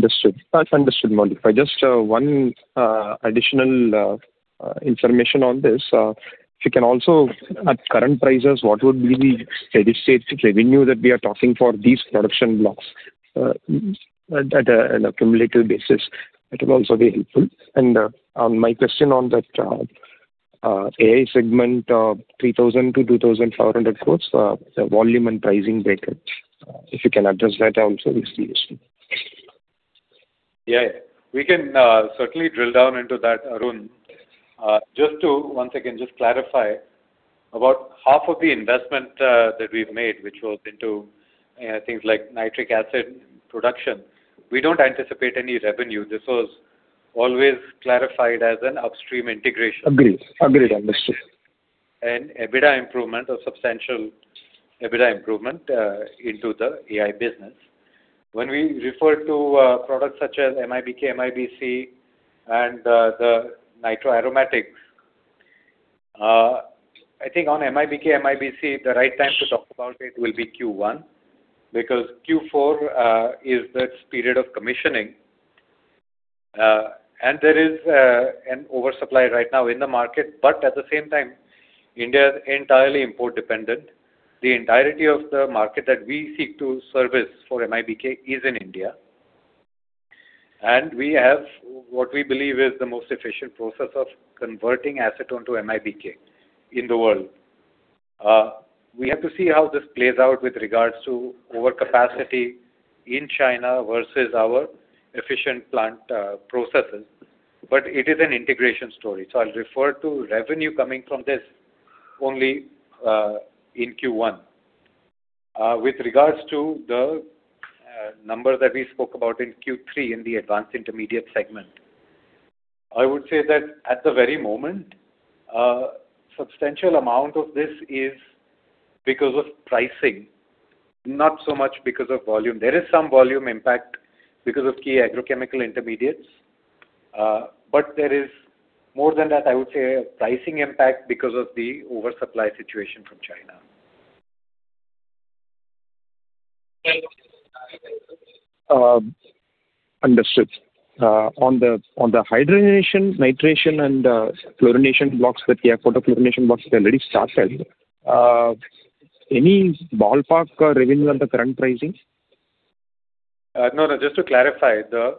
Understood. That's understood, Maulik. Just, one, additional, information on this. If you can also, at current prices, what would be the steady-state revenue that we are talking for these production blocks, at a, an accumulative basis? That will also be helpful. And, on my question on that, AI segment, 3,000-2,400 crores, the volume and pricing breakup, if you can address that also, it's useful. Yeah, we can certainly drill down into that, Arun. Just to, once again, just clarify, about half of the investment that we've made, which goes into things like Nitric Acid production, we don't anticipate any revenue. This was always clarified as an upstream integration. Agreed. Agreed. Understood. EBITDA improvement, a substantial EBITDA improvement, into the AI business. When we refer to products such as MIBK, MIBC, and the nitroaromatics, I think on MIBK, MIBC, the right time to talk about it will be Q1, because Q4 is this period of commissioning, and there is an oversupply right now in the market, but at the same time, India is entirely import dependent. The entirety of the market that we seek to service for MIBK is in India. We have what we believe is the most efficient process of converting Acetone to MIBK in the world. We have to see how this plays out with regards to overcapacity in China versus our efficient plant processes, but it is an integration story. So I'll refer to revenue coming from this only in Q1. With regards to the number that we spoke about in Q3 in the Advanced Intermediates segment, I would say that at the very moment, substantial amount of this is because of pricing, not so much because of volume. There is some volume impact because of key agrochemical intermediates, but there is more than that, I would say, a pricing impact because of the oversupply situation from China. Understood. On the hydrogenation, nitration, and fluorination blocks with the photo fluorination blocks already started. Any ballpark revenue on the current pricing? No, no, just to clarify, the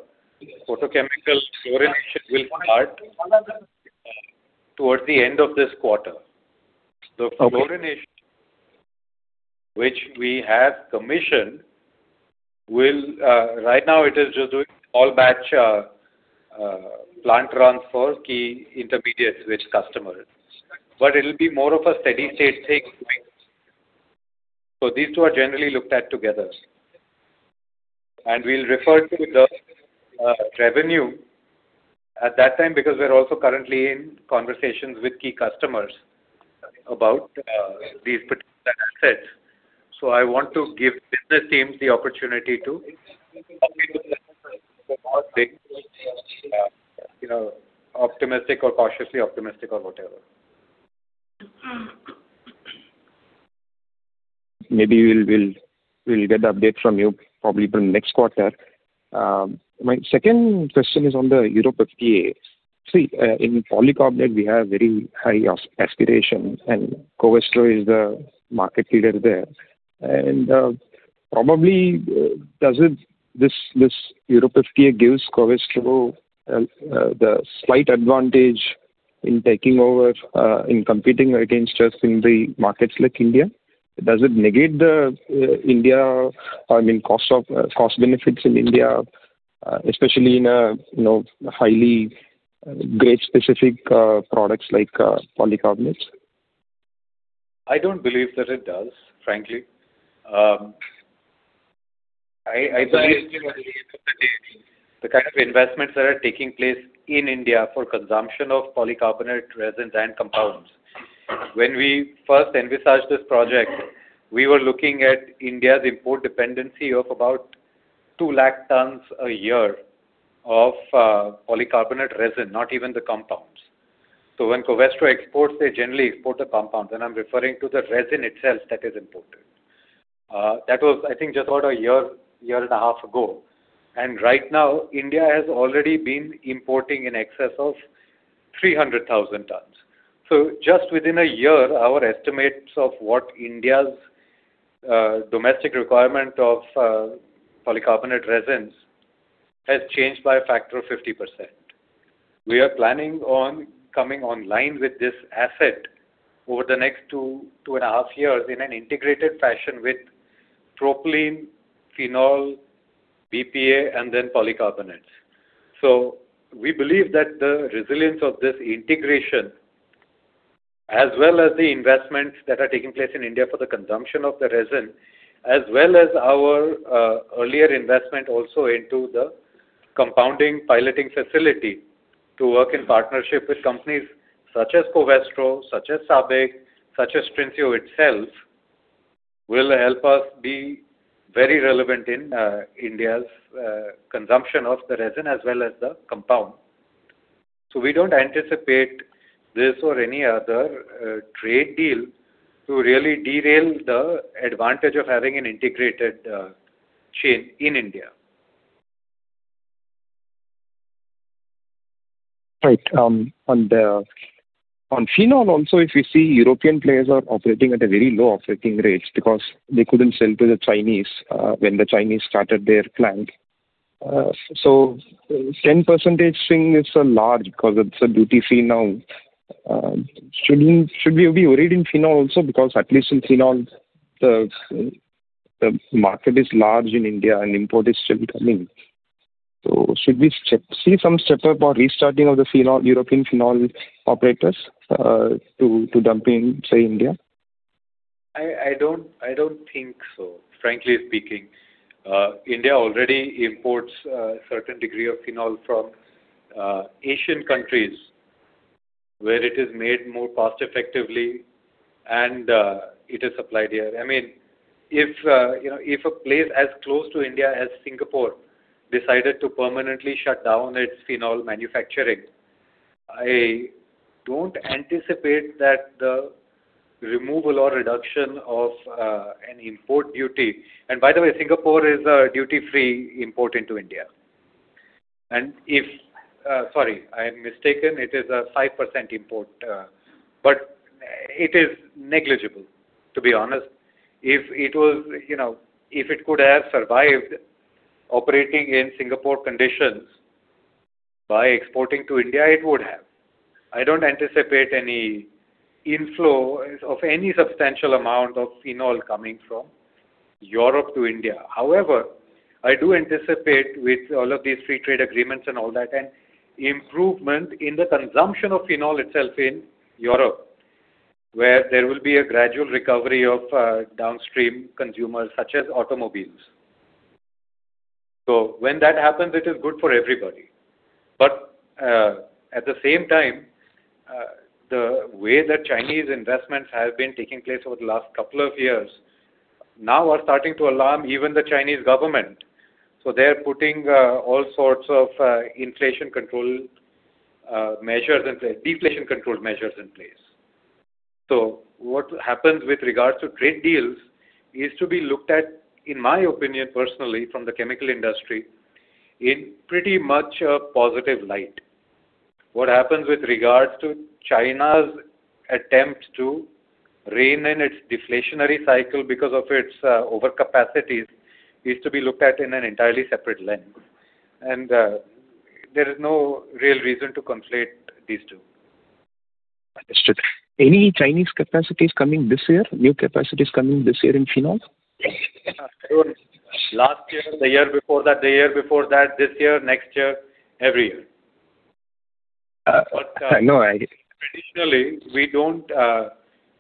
photochemical fluorination will start towards the end of this quarter. Okay. The fluorination, which we have commissioned, will right now it is just doing all batch plant runs for key intermediates with customers, but it will be more of a steady state thing. So these two are generally looked at together. And we'll refer to the revenue at that time, because we're also currently in conversations with key customers about these particular assets. So I want to give the business teams the opportunity to you know, optimistic or cautiously optimistic or whatever. Maybe we'll get the update from you probably from next quarter. My second question is on the Europe FTA. In polycarbonate, we have very high aspirations, and Covestro is the market leader there. And, probably, does it, this Europe FTA gives Covestro the slight advantage in taking over in competing against us in the markets like India? Does it negate the India, I mean, cost benefits in India, especially in a, you know, highly grade-specific products like polycarbonates? I don't believe that it does, frankly. I believe the kind of investments that are taking place in India for consumption of polycarbonate resins and compounds. When we first envisaged this project, we were looking at India's import dependency of about 200,000 tons a year of polycarbonate resin, not even the compounds. So when Covestro exports, they generally export the compounds, and I'm referring to the resin itself that is imported. That was, I think, just about a year and a half ago. And right now, India has already been importing in excess of 300,000 tons. So just within a year, our estimates of what India's domestic requirement of polycarbonate resins has changed by a factor of 50%. We are planning on coming online with this asset over the next two, two and a half years in an integrated fashion with propylene, Phenol, BPA, and then polycarbonates. We believe that the resilience of this integration, as well as the investments that are taking place in India for the consumption of the resin, as well as our earlier investment also into the compounding piloting facility to work in partnership with companies such as Covestro, such as SABIC, such as Trinseo itself, will help us be very relevant in India's consumption of the resin as well as the compound. We don't anticipate this or any other trade deal to really derail the advantage of having an integrated chain in India. Right. On the, on Phenol also, if you see, European players are operating at a very low operating rates because they couldn't sell to the Chinese, when the Chinese started their plant. So 10% thing is so large because it's a duty Phenol. Should we, should we be worried in Phenol also, because at least in Phenol, the, the market is large in India and import is still coming. So should we step, see some step up or restarting of the Phenol, European Phenol operators, to, to dump in, say, India? I don't think so, frankly speaking. India already imports a certain degree of Phenol from Asian countries where it is made more cost-effectively and it is supplied here. I mean, if you know, if a place as close to India as Singapore decided to permanently shut down its Phenol manufacturing, I don't anticipate that the removal or reduction of an import duty. And by the way, Singapore is a duty-free import into India. And if sorry, I am mistaken, it is a 5% import but. It is negligible, to be honest. If it was, you know, if it could have survived operating in Singapore conditions by exporting to India, it would have. I don't anticipate any inflow of any substantial amount of Phenol coming from Europe to India. However, I do anticipate with all of these free trade agreements and all that, an improvement in the consumption of Phenol itself in Europe, where there will be a gradual recovery of downstream consumers, such as automobiles. So when that happens, it is good for everybody. But at the same time, the way that Chinese investments have been taking place over the last couple of years now are starting to alarm even the Chinese government. So they are putting all sorts of inflation control measures and deflation control measures in place. So what happens with regards to trade deals is to be looked at, in my opinion, personally, from the chemical industry, in pretty much a positive light. What happens with regards to China's attempt to rein in its deflationary cycle because of its overcapacities is to be looked at in an entirely separate lens. There is no real reason to conflate these two. Understood. Any Chinese capacities coming this year, new capacities coming this year in Phenol? Last year, the year before that, the year before that, this year, next year, every year. I know. Traditionally, we don't.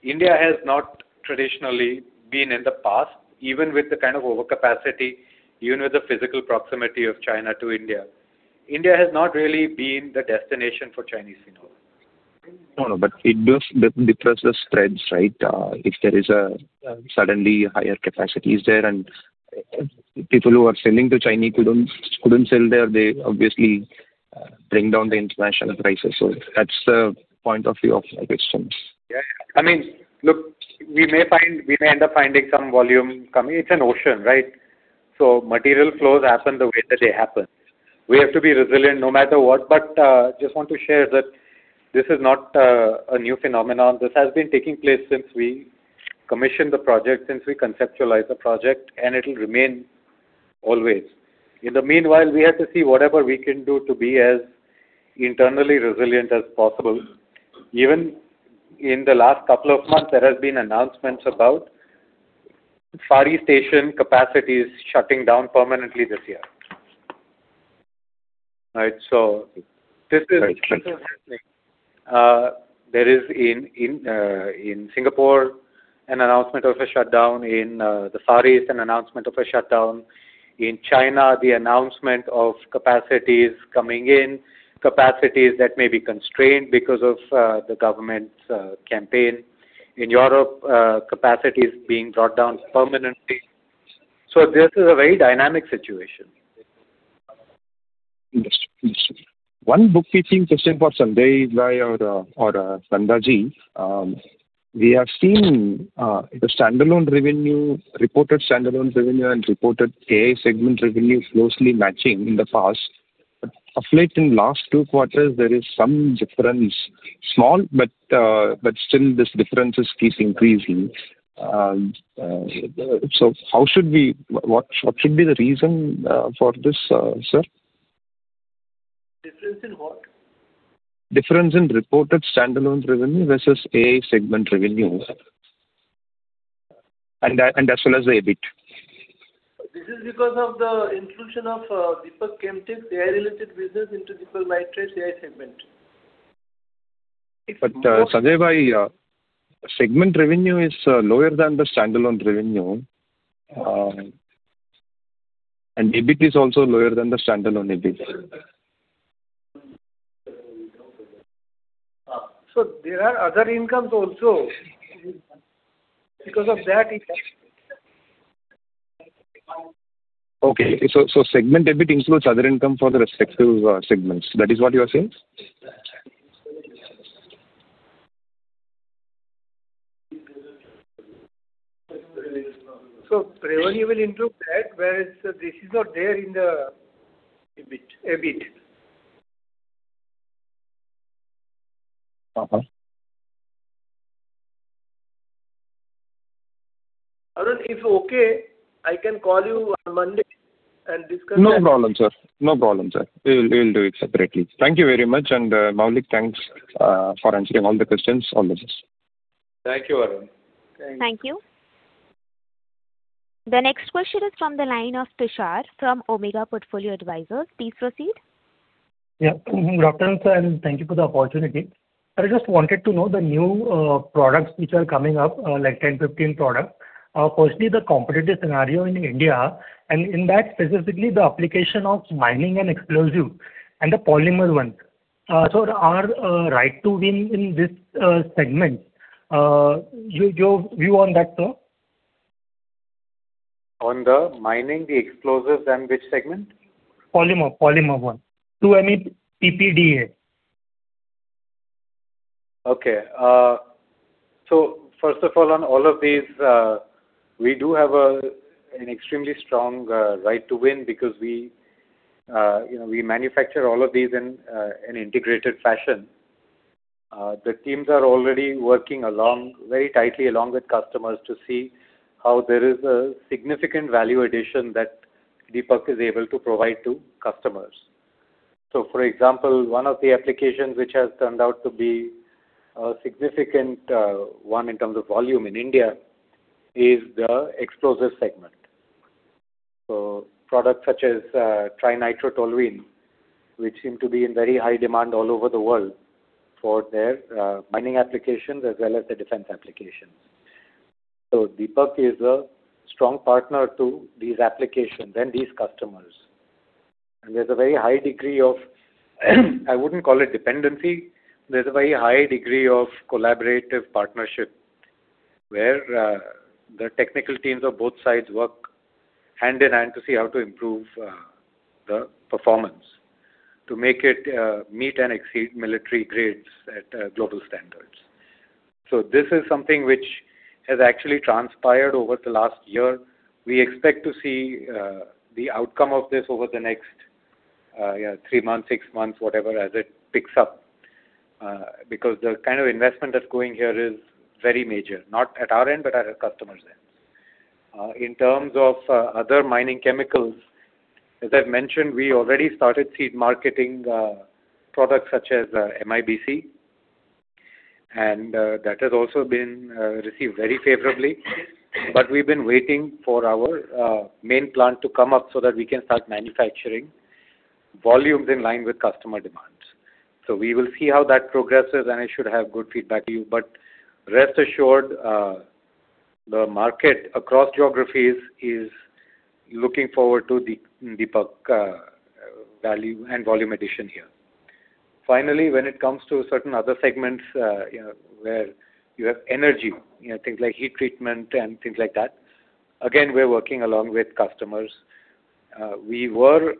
India has not traditionally been in the past, even with the kind of overcapacity, even with the physical proximity of China to India, India has not really been the destination for Chinese Phenol. No, no, but it does, that differs the spreads, right? If there is suddenly higher capacities there, and people who are selling to China couldn't sell there, they obviously bring down the international prices. So that's the point of view of my questions. Yeah. I mean, look, we may find, we may end up finding some volume coming. It's an ocean, right? So material flows happen the way that they happen. We have to be resilient no matter what. But just want to share that this is not a new phenomenon. This has been taking place since we commissioned the project, since we conceptualized the project, and it will remain always. In the meanwhile, we have to see whatever we can do to be as internally resilient as possible. Even in the last couple of months, there has been announcements about Far East Asian capacities shutting down permanently this year. Right, so this is— Right. There is in Singapore an announcement of a shutdown in the Far East, an announcement of a shutdown. In China, the announcement of capacities coming in, capacities that may be constrained because of the government's campaign. In Europe, capacities being brought down permanently. So this is a very dynamic situation. Understood. One bookkeeping question for Sanjay. We have seen the standalone revenue, reported standalone revenue, and reported AI segment revenue closely matching in the past. But of late, in last two quarters, there is some difference, small, but still this difference is keep increasing. So how should we—What should be the reason for this, sir? Difference in what? Difference in reported standalone revenue versus AI segment revenue, and as well as the EBIT. This is because of the inclusion of Deepak Chem Tech, AI-related business into the Deepak Nitrite AI segment. But, segment revenue is lower than the standalone revenue, and EBIT is also lower than the standalone EBIT. There are other incomes also. Because of that, it— Okay, so segment EBIT includes other income for the respective segments. That is what you are saying? So revenue will include that, whereas this is not there in the— EBIT. EBIT. Uh-huh. Arun, if okay, I can call you on Monday and discuss that. No problem, sir. No problem, sir. We will, we will do it separately. Thank you very much, and, Maulik, thanks, for answering all the questions on this. Thank you, Arun. Thank you. The next question is from the line of Tushar from Omega Portfolio Advisors. Please proceed. Yeah. Good afternoon, sir, and thank you for the opportunity. I just wanted to know the new products which are coming up, like 10, 15 products. Firstly, the competitive scenario in India, and in that, specifically the application of mining and explosive and the polymer one. So our right to win in this segment, your view on that, sir? On the mining, the explosives, and which segment? Polymer, polymer one. 2-MePPDA. Okay. So first of all, on all of these, we do have an extremely strong, right to win because we, you know, we manufacture all of these in an integrated fashion. The teams are already working along, very tightly along with customers to see how there is a significant value addition that Deepak is able to provide to customers. So for example, one of the applications which has turned out to be a significant, one in terms of volume in India, is the explosive segment. So products such as, Trinitrotoluene, which seem to be in very high demand all over the world for their, mining applications as well as the defense applications. So Deepak is a strong partner to these applications and these customers, and there's a very high degree of, I wouldn't call it dependency. There's a very high degree of collaborative partnership, where the technical teams of both sides work hand-in-hand to see how to improve the performance, to make it meet and exceed military grades at global standards. So this is something which has actually transpired over the last year. We expect to see the outcome of this over the next, yeah, three months, six months, whatever, as it picks up, because the kind of investment that's going here is very major, not at our end, but at our customers' end. In terms of other mining chemicals, as I've mentioned, we already started seed marketing products such as MIBC, and that has also been received very favorably. But we've been waiting for our main plant to come up so that we can start manufacturing volumes in line with customer demands. So we will see how that progresses, and I should have good feedback to you. But rest assured, the market across geographies is looking forward to the Deepak value and volume addition here. Finally, when it comes to certain other segments, you know, where you have energy, you know, things like heat treatment and things like that, again, we're working along with customers. We were,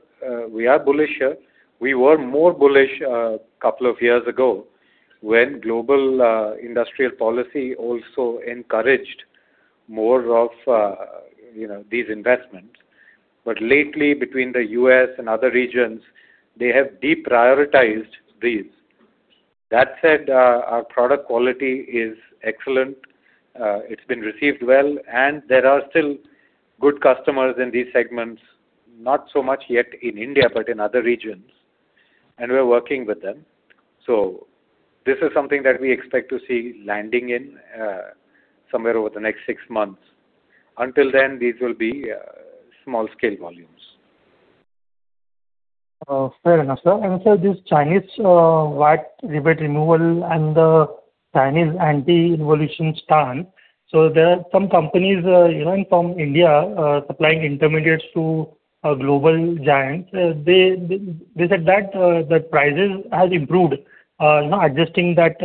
we are bullish here. We were more bullish couple of years ago, when global industrial policy also encouraged more of, you know, these investments. But lately, between the U.S. and other regions, they have deprioritized these. That said, our product quality is excellent. It's been received well, and there are still good customers in these segments, not so much yet in India, but in other regions, and we're working with them. So this is something that we expect to see landing in, somewhere over the next six months. Until then, these will be small scale volumes. Fair enough, sir. Sir, this Chinese VAT rebate removal and the Chinese anti-involution stand. There are some companies, even from India, supplying intermediates to global giants. They said that the prices has improved now adjusting that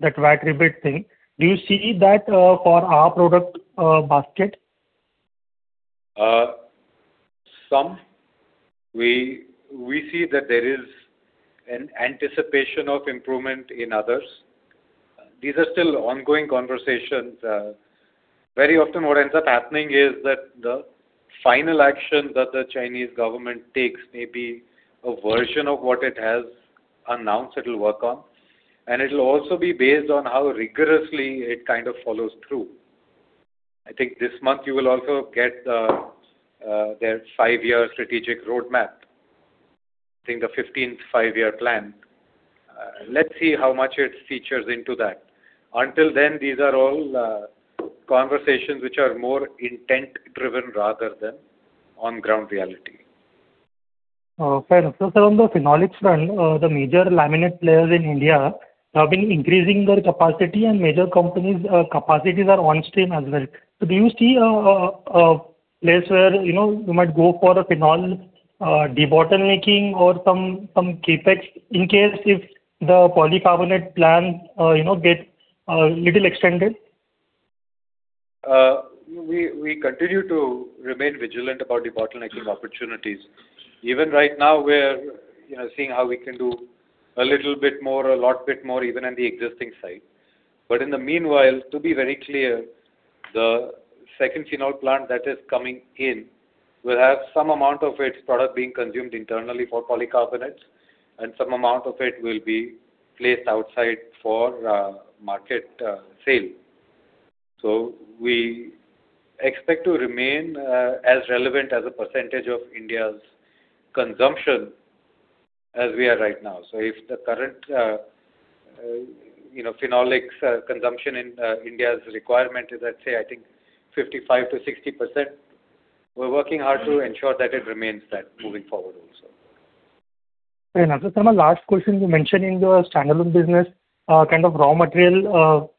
that VAT rebate thing. Do you see that for our product basket? We see that there is an anticipation of improvement in others. These are still ongoing conversations. Very often what ends up happening is that the final action that the Chinese government takes may be a version of what it has announced it will work on, and it'll also be based on how rigorously it kind of follows through. I think this month you will also get their five-year strategic roadmap. I think the fifteenth five-year plan. Let's see how much it features into that. Until then, these are all conversations which are more intent-driven rather than on ground reality. Fair enough. So sir, on the Phenolics front, the major laminate players in India have been increasing their capacity, and major companies', capacities are on stream as well. So do you see a place where, you know, you might go for a Phenol debottlenecking or some CapEx, in case if the polycarbonate plant, you know, get little extended? We continue to remain vigilant about debottlenecking opportunities. Even right now, we're, you know, seeing how we can do a little bit more, a lot more, even on the existing site. But in the meanwhile, to be very clear, the second Phenol plant that is coming in will have some amount of its product being consumed internally for polycarbonates, and some amount of it will be placed outside for market sale. So we expect to remain as relevant as a percentage of India's consumption as we are right now. So if the current, you know, Phenolics consumption in India's requirement is, let's say, I think 55%-60%, we're working hard to ensure that it remains that moving forward also. Fair enough. So my last question, you mentioned in the standalone business, kind of raw material,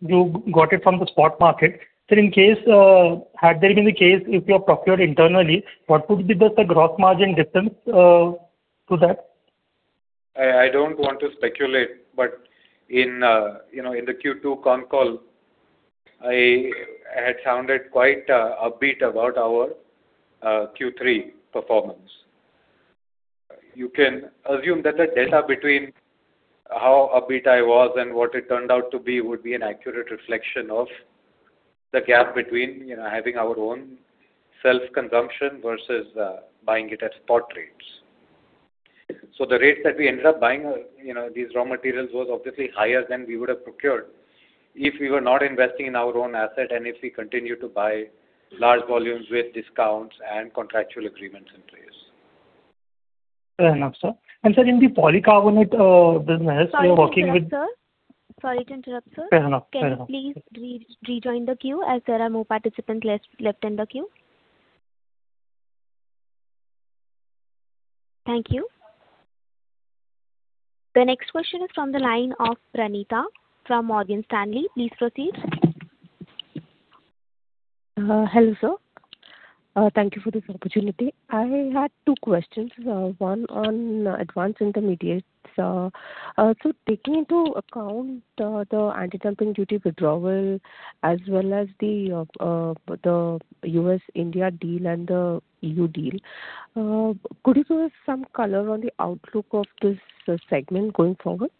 you got it from the spot market. So in case, had there been a case if you have procured internally, what would be just the gross margin difference, to that? I, I don't want to speculate, but in, you know, in the Q2 con call, I, I had sounded quite upbeat about our Q3 performance. You can assume that the delta between how upbeat I was and what it turned out to be would be an accurate reflection of the gap between, you know, having our own self-consumption versus buying it at spot rates. So the rates that we ended up buying, you know, these raw materials was obviously higher than we would have procured if we were not investing in our own asset, and if we continue to buy large volumes with discounts and contractual agreements in place. Fair enough, sir. Sir, in the polycarbonate business, we are working with- Sorry to interrupt, sir. Sorry to interrupt, sir. Fair enough. Fair enough. Can you please rejoin the queue, as there are more participants left in the queue? Thank you. The next question is from the line of Pranita from Morgan Stanley. Please proceed. Hello, sir. Thank you for this opportunity. I had two questions, one on Advanced Intermediates. So taking into account the anti-dumping duty withdrawal, as well as the U.S.-India deal and the EU deal, could you give us some color on the outlook of this segment going forward?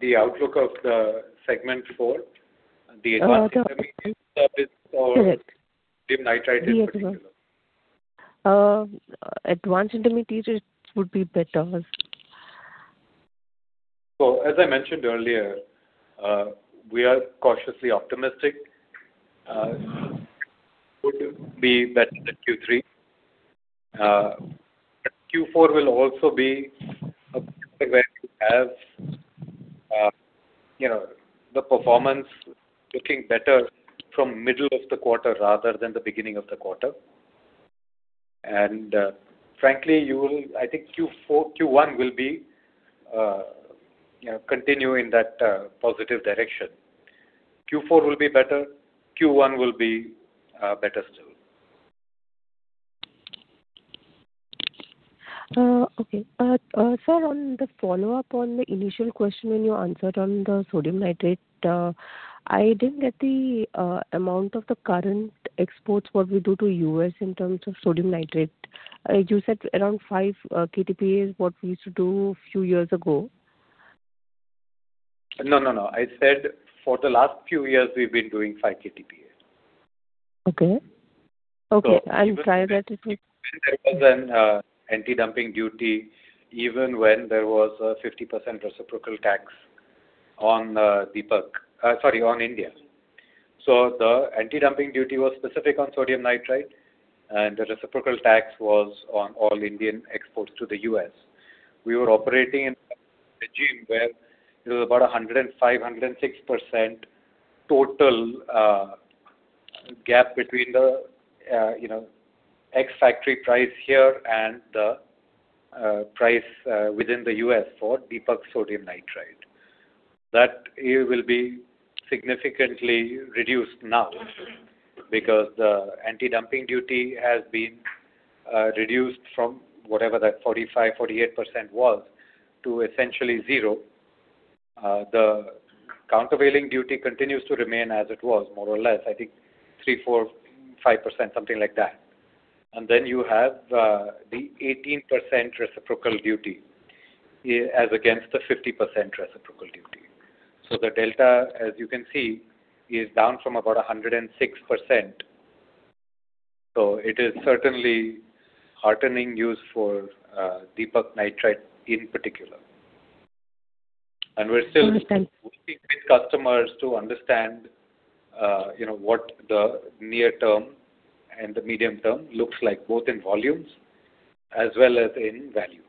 The outlook of the segment for the Advanced Intermediates? Uh, correct. The nitrite in particular. Yes, sir. Advanced Intermediates would be better. As I mentioned earlier, we are cautiously optimistic. It would be better than Q3. Q4 will also be a where we have, you know, the performance looking better from middle of the quarter rather than the beginning of the quarter. Frankly, I think Q4, Q1 will be, you know, continue in that positive direction. Q4 will be better. Q1 will be better still. Okay. Sir, on the follow-up on the initial question when you answered on the sodium nitrite, I didn't get the amount of the current exports, what we do to U.S. in terms of sodium nitrite. You said around five KTPA is what we used to do a few years ago. No, no, no. I said, for the last few years, we've been doing 5 KTPA. Okay. Okay. I'm sorry that it took— There was an anti-dumping duty, even when there was a 50% reciprocal tax on Deepak, sorry, on India. So the anti-dumping duty was specific on sodium nitrite, and the reciprocal tax was on all Indian exports to the U.S. We were operating in a regime where it was about a 105%-106% total gap between the, you know, ex-factory price here and the price within the U.S. for Deepak sodium nitrite. That will be significantly reduced now, because the anti-dumping duty has been reduced from whatever that 45%-48% was, to essentially zero. The countervailing duty continues to remain as it was, more or less, I think 3%-5%, something like that. And then you have the 18% reciprocal duty, as against the 50% reciprocal duty. So the delta, as you can see, is down from about 106%. So it is certainly heartening news for Deepak Nitrite in particular. Understand. We're still working with customers to understand, you know, what the near term and the medium term looks like, both in volumes as well as in value.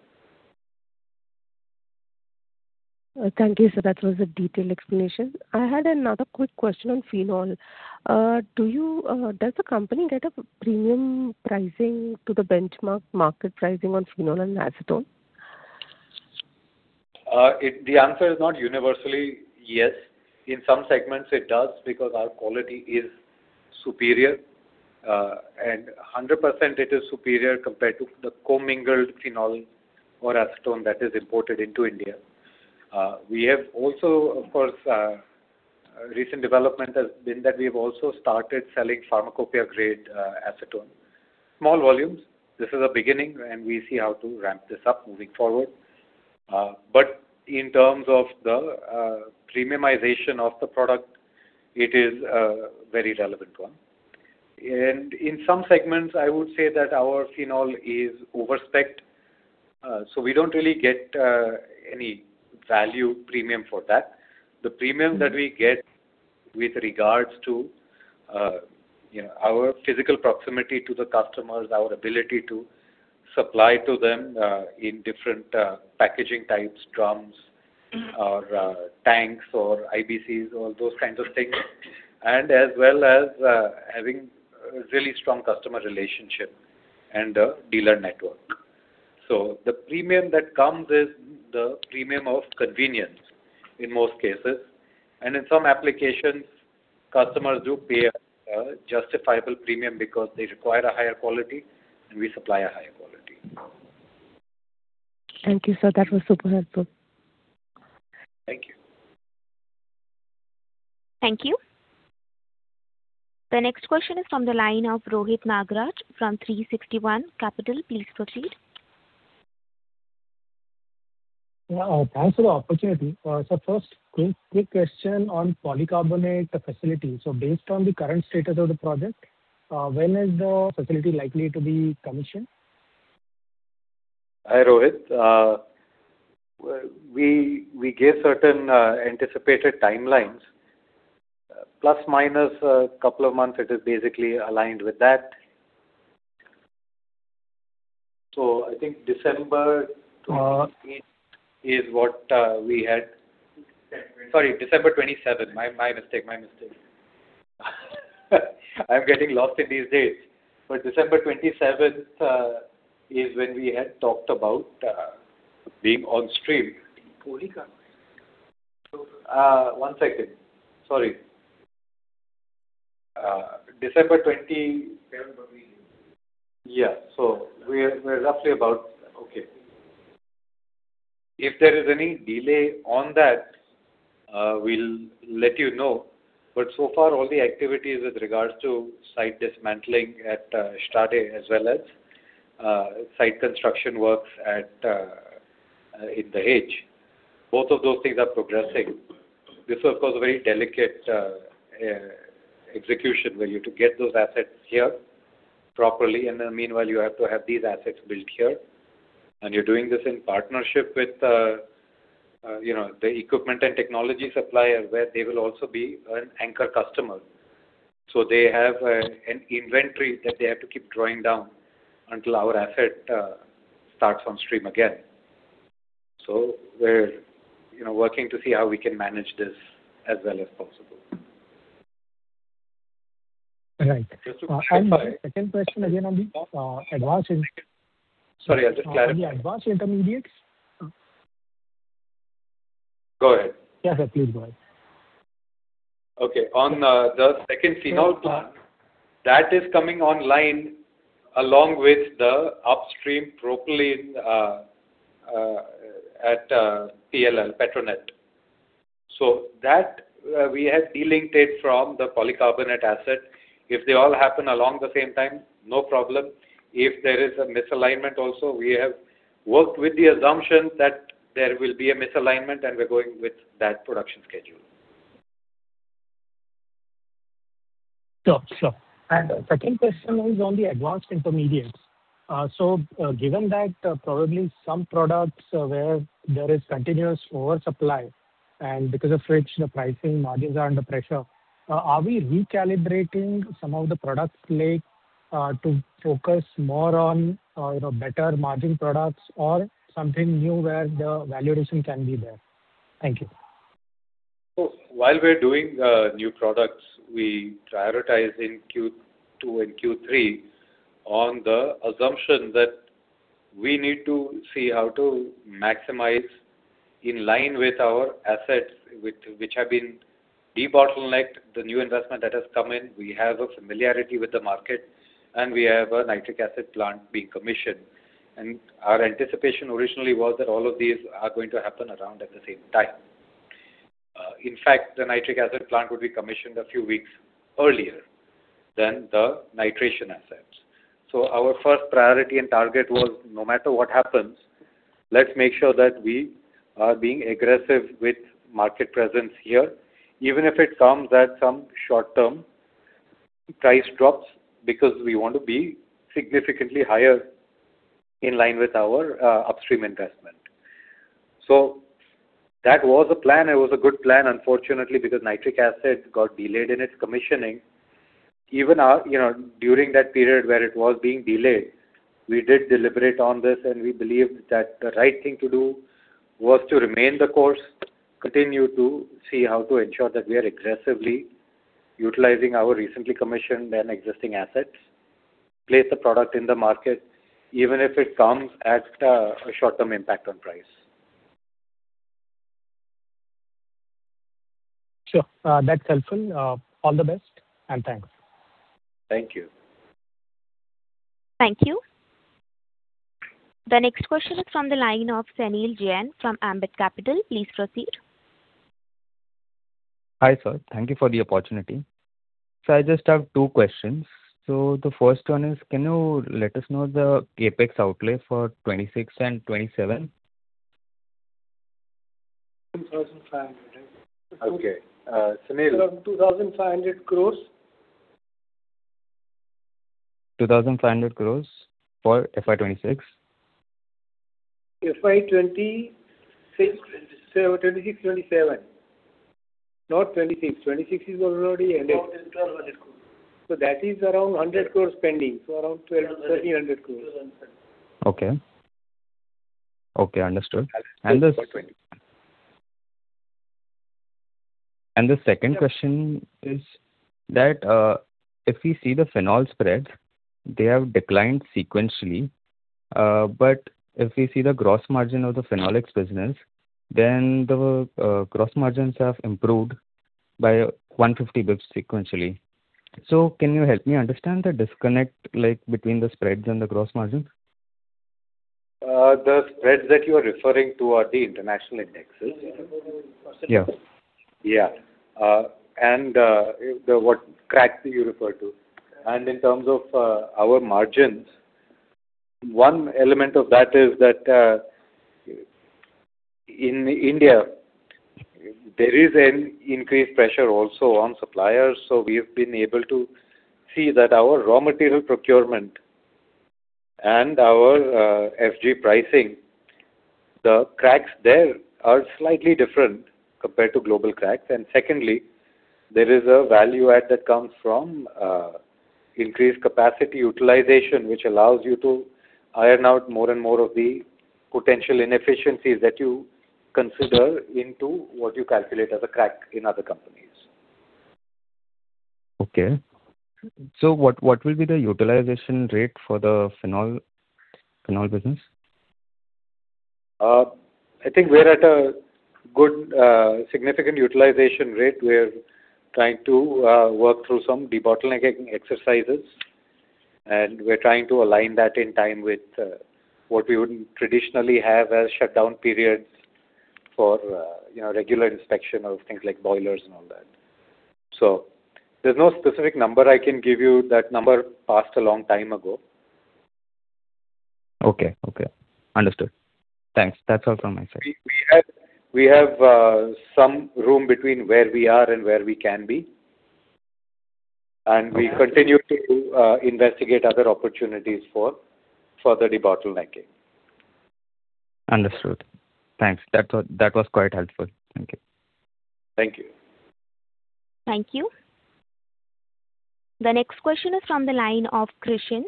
Thank you, sir. That was a detailed explanation. I had another quick question on Phenol. Do you, does the company get a premium pricing to the benchmark market pricing on Phenol and Acetone? The answer is not universally yes. In some segments, it does, because our quality is superior, and 100% it is superior compared to the commingled Phenol or Acetone that is imported into India. We have also, of course, recent development has been that we've also started selling pharmacopoeia-grade Acetone. Small volumes. This is a beginning, and we see how to ramp this up moving forward. But in terms of the premiumization of the product, it is a very relevant one. And in some segments, I would say that our Phenol is overspecced, so we don't really get any value premium for that. The premium that we get with regards to, you know, our physical proximity to the customers, our ability to supply to them in different packaging types, drums— Mm-hmm. —or, tanks or IBCs, all those kinds of things, and as well as, having a really strong customer relationship and a dealer network. So the premium that comes is the premium of convenience in most cases, and in some applications, customers do pay a justifiable premium because they require a higher quality, and we supply a higher quality. Thank you, sir. That was super helpful. Thank you. Thank you. The next question is from the line of Rohit Nagraj from 360 ONE Capital. Please proceed. Yeah, thanks for the opportunity. So first, quick question on polycarbonate facility. So based on the current status of the project, when is the facility likely to be commissioned? Hi, Rohit. We gave certain anticipated timelines, plus minus a couple of months, it is basically aligned with that. So I think December 20 is what we had. Sorry, December 27th. My mistake, my mistake. I'm getting lost in these dates, but December 27th is when we had talked about being on stream. One second. Sorry. December 20—Yeah. So we're roughly about. Okay. If there is any delay on that, we'll let you know. But so far, all the activities with regards to site dismantling at Stade, as well as site construction works at Dahej, both of those things are progressing. This, of course, a very delicate execution where you to get those assets here properly, and then meanwhile, you have to have these assets built here. You're doing this in partnership with, you know, the equipment and technology supplier, where they will also be an anchor customer. So they have an inventory that they have to keep drawing down until our asset starts on stream again. So we're, you know, working to see how we can manage this as well as possible. Right. Just to— And my second question again on the Advanced Inter— Sorry, just clarify. On the Advanced Intermediates. Go ahead. Yeah, sir, please go ahead. Okay. On the second Phenol plant, that is coming online along with the upstream propylene at PLL, Petronet. So that we had delinked it from the polycarbonate asset. If they all happen along the same time, no problem. If there is a misalignment also, we have worked with the assumption that there will be a misalignment, and we're going with that production schedule. Sure, sure. The second question is on the Advanced Intermediates. So, given that probably some products where there is continuous oversupply, and because of which the pricing margins are under pressure, are we recalibrating some of the product mix, to focus more on, you know, better margin products or something new where the valuation can be there? Thank you. So while we're doing new products, we prioritize in Q2 and Q3 on the assumption that we need to see how to maximize in line with our assets, which have been debottlenecked, the new investment that has come in. We have a familiarity with the market, and we have a Nitric Acid plant being commissioned. Our anticipation originally was that all of these are going to happen around at the same time. In fact, the Nitric Acid plant would be commissioned a few weeks earlier than the nitration assets. So our first priority and target was, no matter what happens, let's make sure that we are being aggressive with market presence here, even if it comes at some short-term price drops, because we want to be significantly higher in line with our upstream investment. So that was the plan. It was a good plan, unfortunately, because Nitric Acid got delayed in its commissioning. Even our, you know, during that period where it was being delayed, we did deliberate on this, and we believed that the right thing to do was to remain the course, continue to see how to ensure that we are aggressively utilizing our recently commissioned and existing assets, place the product in the market, even if it comes at a short-term impact on price. Sure. That's helpful. All the best, and thanks. Thank you. Thank you. The next question is from the line of Sanil Jain from Ambit Capital. Please proceed. Hi, sir. Thank you for the opportunity. I just have two questions. The first one is, can you let us know the CapEx outlay for 2026 and 2027? 2,500. Okay, Sanil? Around 2,500 crore. 2,500 crore for FY 2026? FY 2026, 2026, 2027. Not 2026. 2026 is already ended. Around 100 crore. That is around 100 crore pending, so around 1,200-1,300 crore. Okay. Okay, understood. And the second question is that, if we see the Phenol spreads, they have declined sequentially. But if we see the gross margin of the Phenolics business, then the gross margins have improved by 150 basis points sequentially. So can you help me understand the disconnect, like, between the spreads and the gross margins? The spreads that you are referring to are the international indexes? Yeah. Yeah. And, the what cracks do you refer to? And in terms of, our margins, one element of that is that, in India, there is an increased pressure also on suppliers. So we have been able to see that our raw material procurement and our, FG pricing, the cracks there are slightly different compared to global cracks. And secondly, there is a value add that comes from, increased capacity utilization, which allows you to iron out more and more of the potential inefficiencies that you consider into what you calculate as a crack in other companies. Okay. So what will be the utilization rate for the Phenol business? I think we're at a good, significant utilization rate. We're trying to work through some debottlenecking exercises, and we're trying to align that in time with what we would traditionally have as shutdown periods for, you know, regular inspection of things like boilers and all that. So there's no specific number I can give you. That number passed a long time ago. Okay. Okay. Understood. Thanks. That's all from my side. We have some room between where we are and where we can be, and we continue to investigate other opportunities for further debottlenecking. Understood. Thanks. That was, that was quite helpful. Thank you. Thank you. Thank you. The next question is from the line of Krishan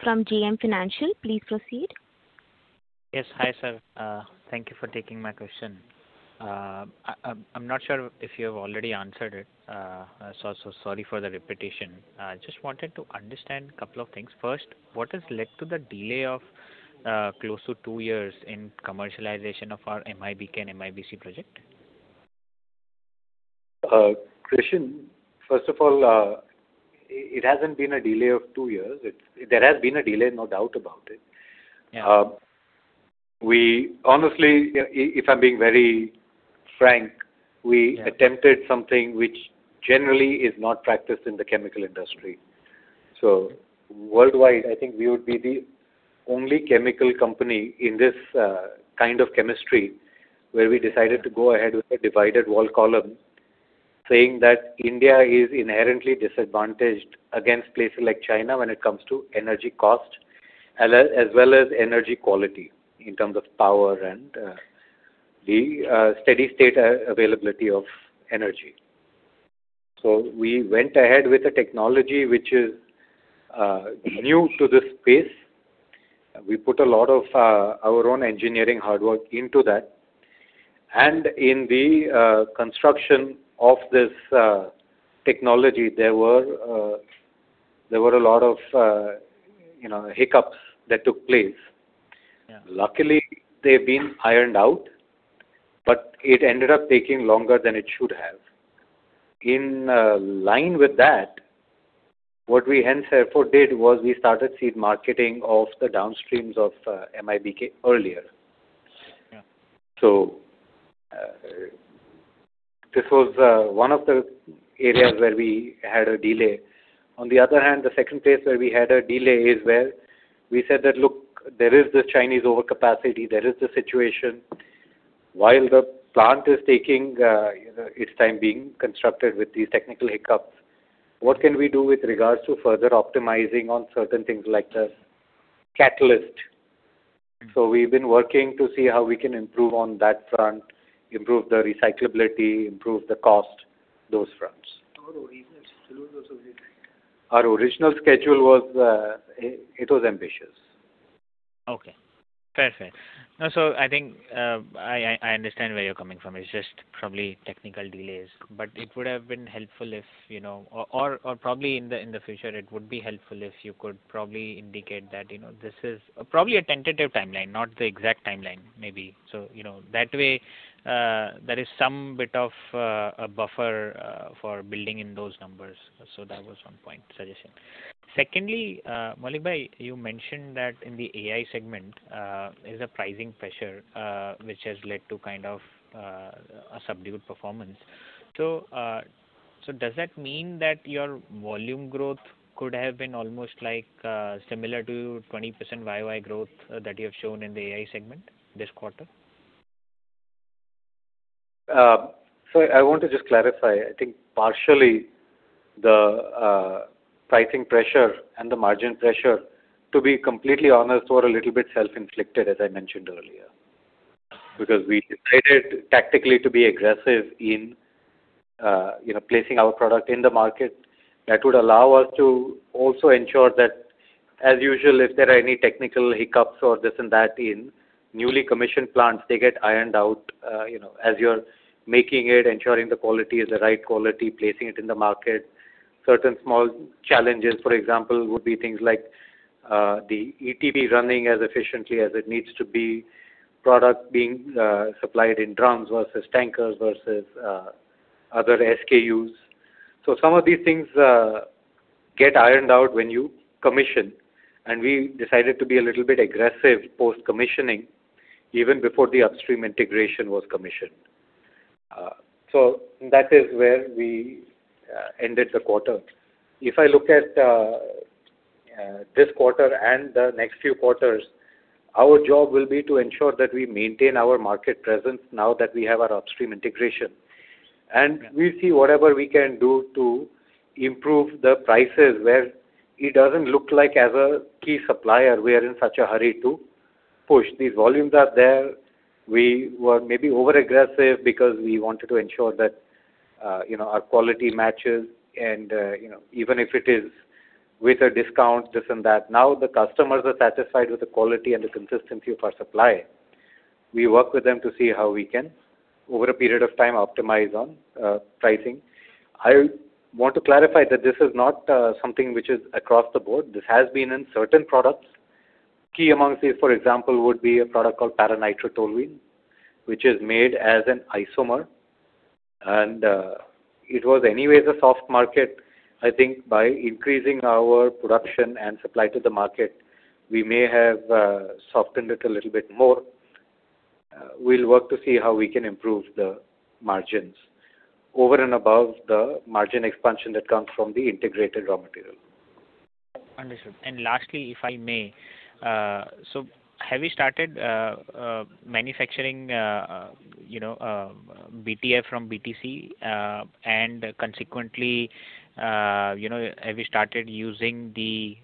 from JM Financial. Please proceed. Yes. Hi, sir. Thank you for taking my question. I'm not sure if you have already answered it, so sorry for the repetition. I just wanted to understand a couple of things. First, what has led to the delay of close to two years in commercialization of our MIBK and MIBC project? Krishan, first of all, it hasn't been a delay of two years. It's, there has been a delay, no doubt about it. Yeah. Honestly, if I'm being very frank, we— Yeah —attempted something which generally is not practiced in the chemical industry. So worldwide, I think we would be the only chemical company in this kind of chemistry, where we decided to go ahead with a divided wall column, saying that India is inherently disadvantaged against places like China when it comes to energy cost, as well as energy quality, in terms of power and the steady state availability of energy. So we went ahead with a technology which is new to this space. We put a lot of our own engineering hard work into that. And in the construction of this technology, there were a lot of, you know, hiccups that took place. Yeah. Luckily, they've been ironed out, but it ended up taking longer than it should have. In line with that, what we hence therefore did was we started seed marketing of the downstreams of MIBK earlier. Yeah. So, this was one of the areas where we had a delay. On the other hand, the second place where we had a delay is where we said that, "Look, there is this Chinese overcapacity, there is this situation. While the plant is taking, you know, its time being constructed with these technical hiccups, what can we do with regards to further optimizing on certain things like the catalyst?" So we've been working to see how we can improve on that front, improve the recyclability, improve the cost, those fronts. Our original schedule was ambitious. Okay. Perfect. Now, so I think, I understand where you're coming from. It's just probably technical delays, but it would have been helpful if, you know, or probably in the future, it would be helpful if you could probably indicate that, you know, this is probably a tentative timeline, not the exact timeline, maybe. So, you know, that way, there is some bit of a buffer for building in those numbers. So that was one point suggestion. Secondly, Maulik, you mentioned that in the AI segment, there's a pricing pressure, which has led to kind of a subdued performance. So, so does that mean that your volume growth could have been almost like similar to 20% YY growth that you have shown in the AI segment this quarter? So I want to just clarify. I think partially the pricing pressure and the margin pressure, to be completely honest, were a little bit self-inflicted, as I mentioned earlier. Because we decided tactically to be aggressive in, you know, placing our product in the market. That would allow us to also ensure that, as usual, if there are any technical hiccups or this and that in newly commissioned plants, they get ironed out, you know, as you're making it, ensuring the quality is the right quality, placing it in the market. Certain small challenges, for example, would be things like, the ETP running as efficiently as it needs to be, product being supplied in drums versus tankers versus other SKUs. So some of these things get ironed out when you commission, and we decided to be a little bit aggressive post-commissioning, even before the upstream integration was commissioned. So that is where we ended the quarter. If I look at this quarter and the next few quarters, our job will be to ensure that we maintain our market presence now that we have our upstream integration. And we see whatever we can do to improve the prices, where it doesn't look like, as a key supplier, we are in such a hurry to push. These volumes are there. We were maybe overaggressive because we wanted to ensure that, you know, our quality matches and, you know, even if it is with a discount, this and that. Now, the customers are satisfied with the quality and the consistency of our supply. We work with them to see how we can, over a period of time, optimize on pricing. I want to clarify that this is not something which is across the board. This has been in certain products. Key amongst these, for example, would be a product called para-nitrotoluene, which is made as an isomer, and it was anyway the soft market. I think by increasing our production and supply to the market, we may have softened it a little bit more. We'll work to see how we can improve the margins over and above the margin expansion that comes from the integrated raw material. Understood. And lastly, if I may, so have you started manufacturing, you know, BTF from BTC, and consequently, you know, have you started using the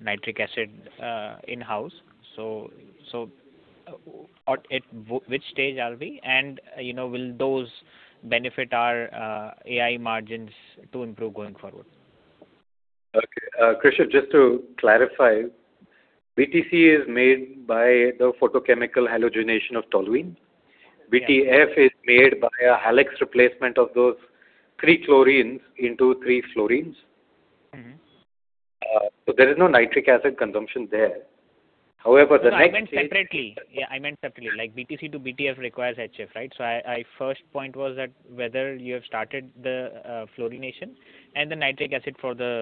Nitric Acid in-house? So, at which stage are we? And, you know, will those benefit our AI margins to improve going forward? Okay. Krishan, just to clarify, BTC is made by the photochemical halogenation of toluene. BTF is made by a Halex replacement of those three chlorines into three fluorines. Mm-hmm. So there is no Nitric Acid consumption there. However, the next- No, I meant separately. Yeah, I meant separately, like BTC to BTF requires HF, right? So, I first point was that whether you have started the fluorination and the Nitric Acid for the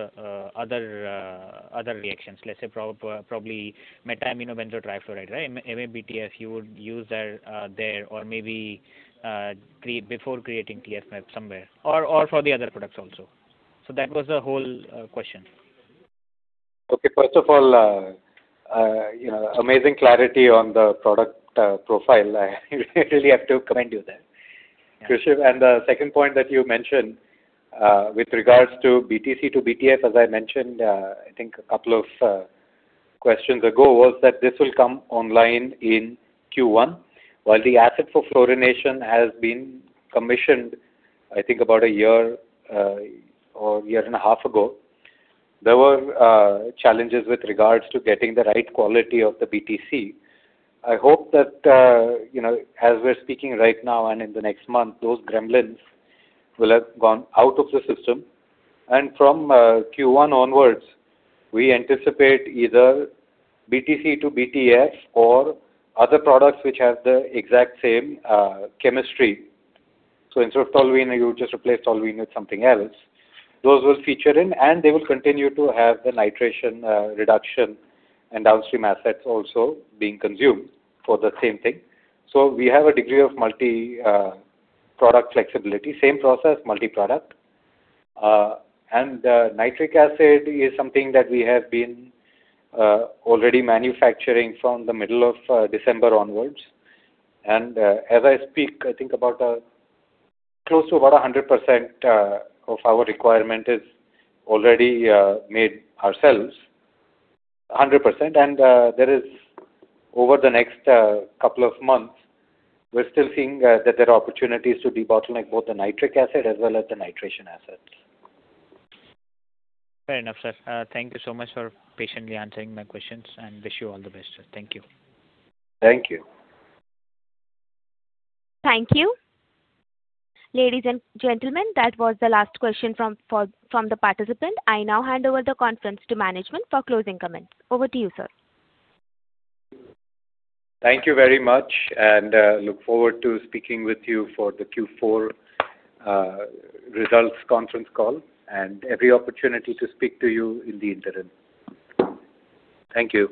other reactions, let's say, probably meta-aminobenzotrifluoride, right? mABTF, you would use that there, or maybe create—Before creating TFMF somewhere, or for the other products also. So that was the whole question. Okay. First of all, you know, amazing clarity on the product profile. I really have to commend you there, Krishan. And the second point that you mentioned, with regards to BTC to BTF, as I mentioned, I think a couple of questions ago, was that this will come online in Q1. While the asset for fluorination has been commissioned, I think about a year or a year and a half ago, there were challenges with regards to getting the right quality of the BTC. I hope that, you know, as we're speaking right now and in the next month, those gremlins will have gone out of the system. And from Q1 onwards, we anticipate either BTC to BTF or other products which have the exact same chemistry. So instead of toluene, you just replace toluene with something else. Those will feature in, and they will continue to have the nitration, reduction and downstream assets also being consumed for the same thing. So we have a degree of multi-product flexibility, same process, multi-product. And the Nitric Acid is something that we have been already manufacturing from the middle of December onwards. And, as I speak, I think about close to about 100% of our requirement is already made ourselves, 100%. And, there is over the next couple of months, we're still seeing that there are opportunities to bottleneck both the Nitric Acid as well as the nitration assets. Fair enough, sir. Thank you so much for patiently answering my questions, and wish you all the best, sir. Thank you. Thank you. Thank you. Ladies and gentlemen, that was the last question from the participant. I now hand over the conference to management for closing comments. Over to you, sir. Thank you very much, and, look forward to speaking with you for the Q4 results conference call, and every opportunity to speak to you in the interim. Thank you.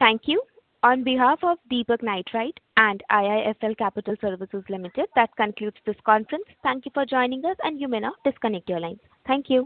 Thank you. On behalf of Deepak Nitrite and IIFL Capital Services Limited, that concludes this conference. Thank you for joining us, and you may now disconnect your line. Thank you.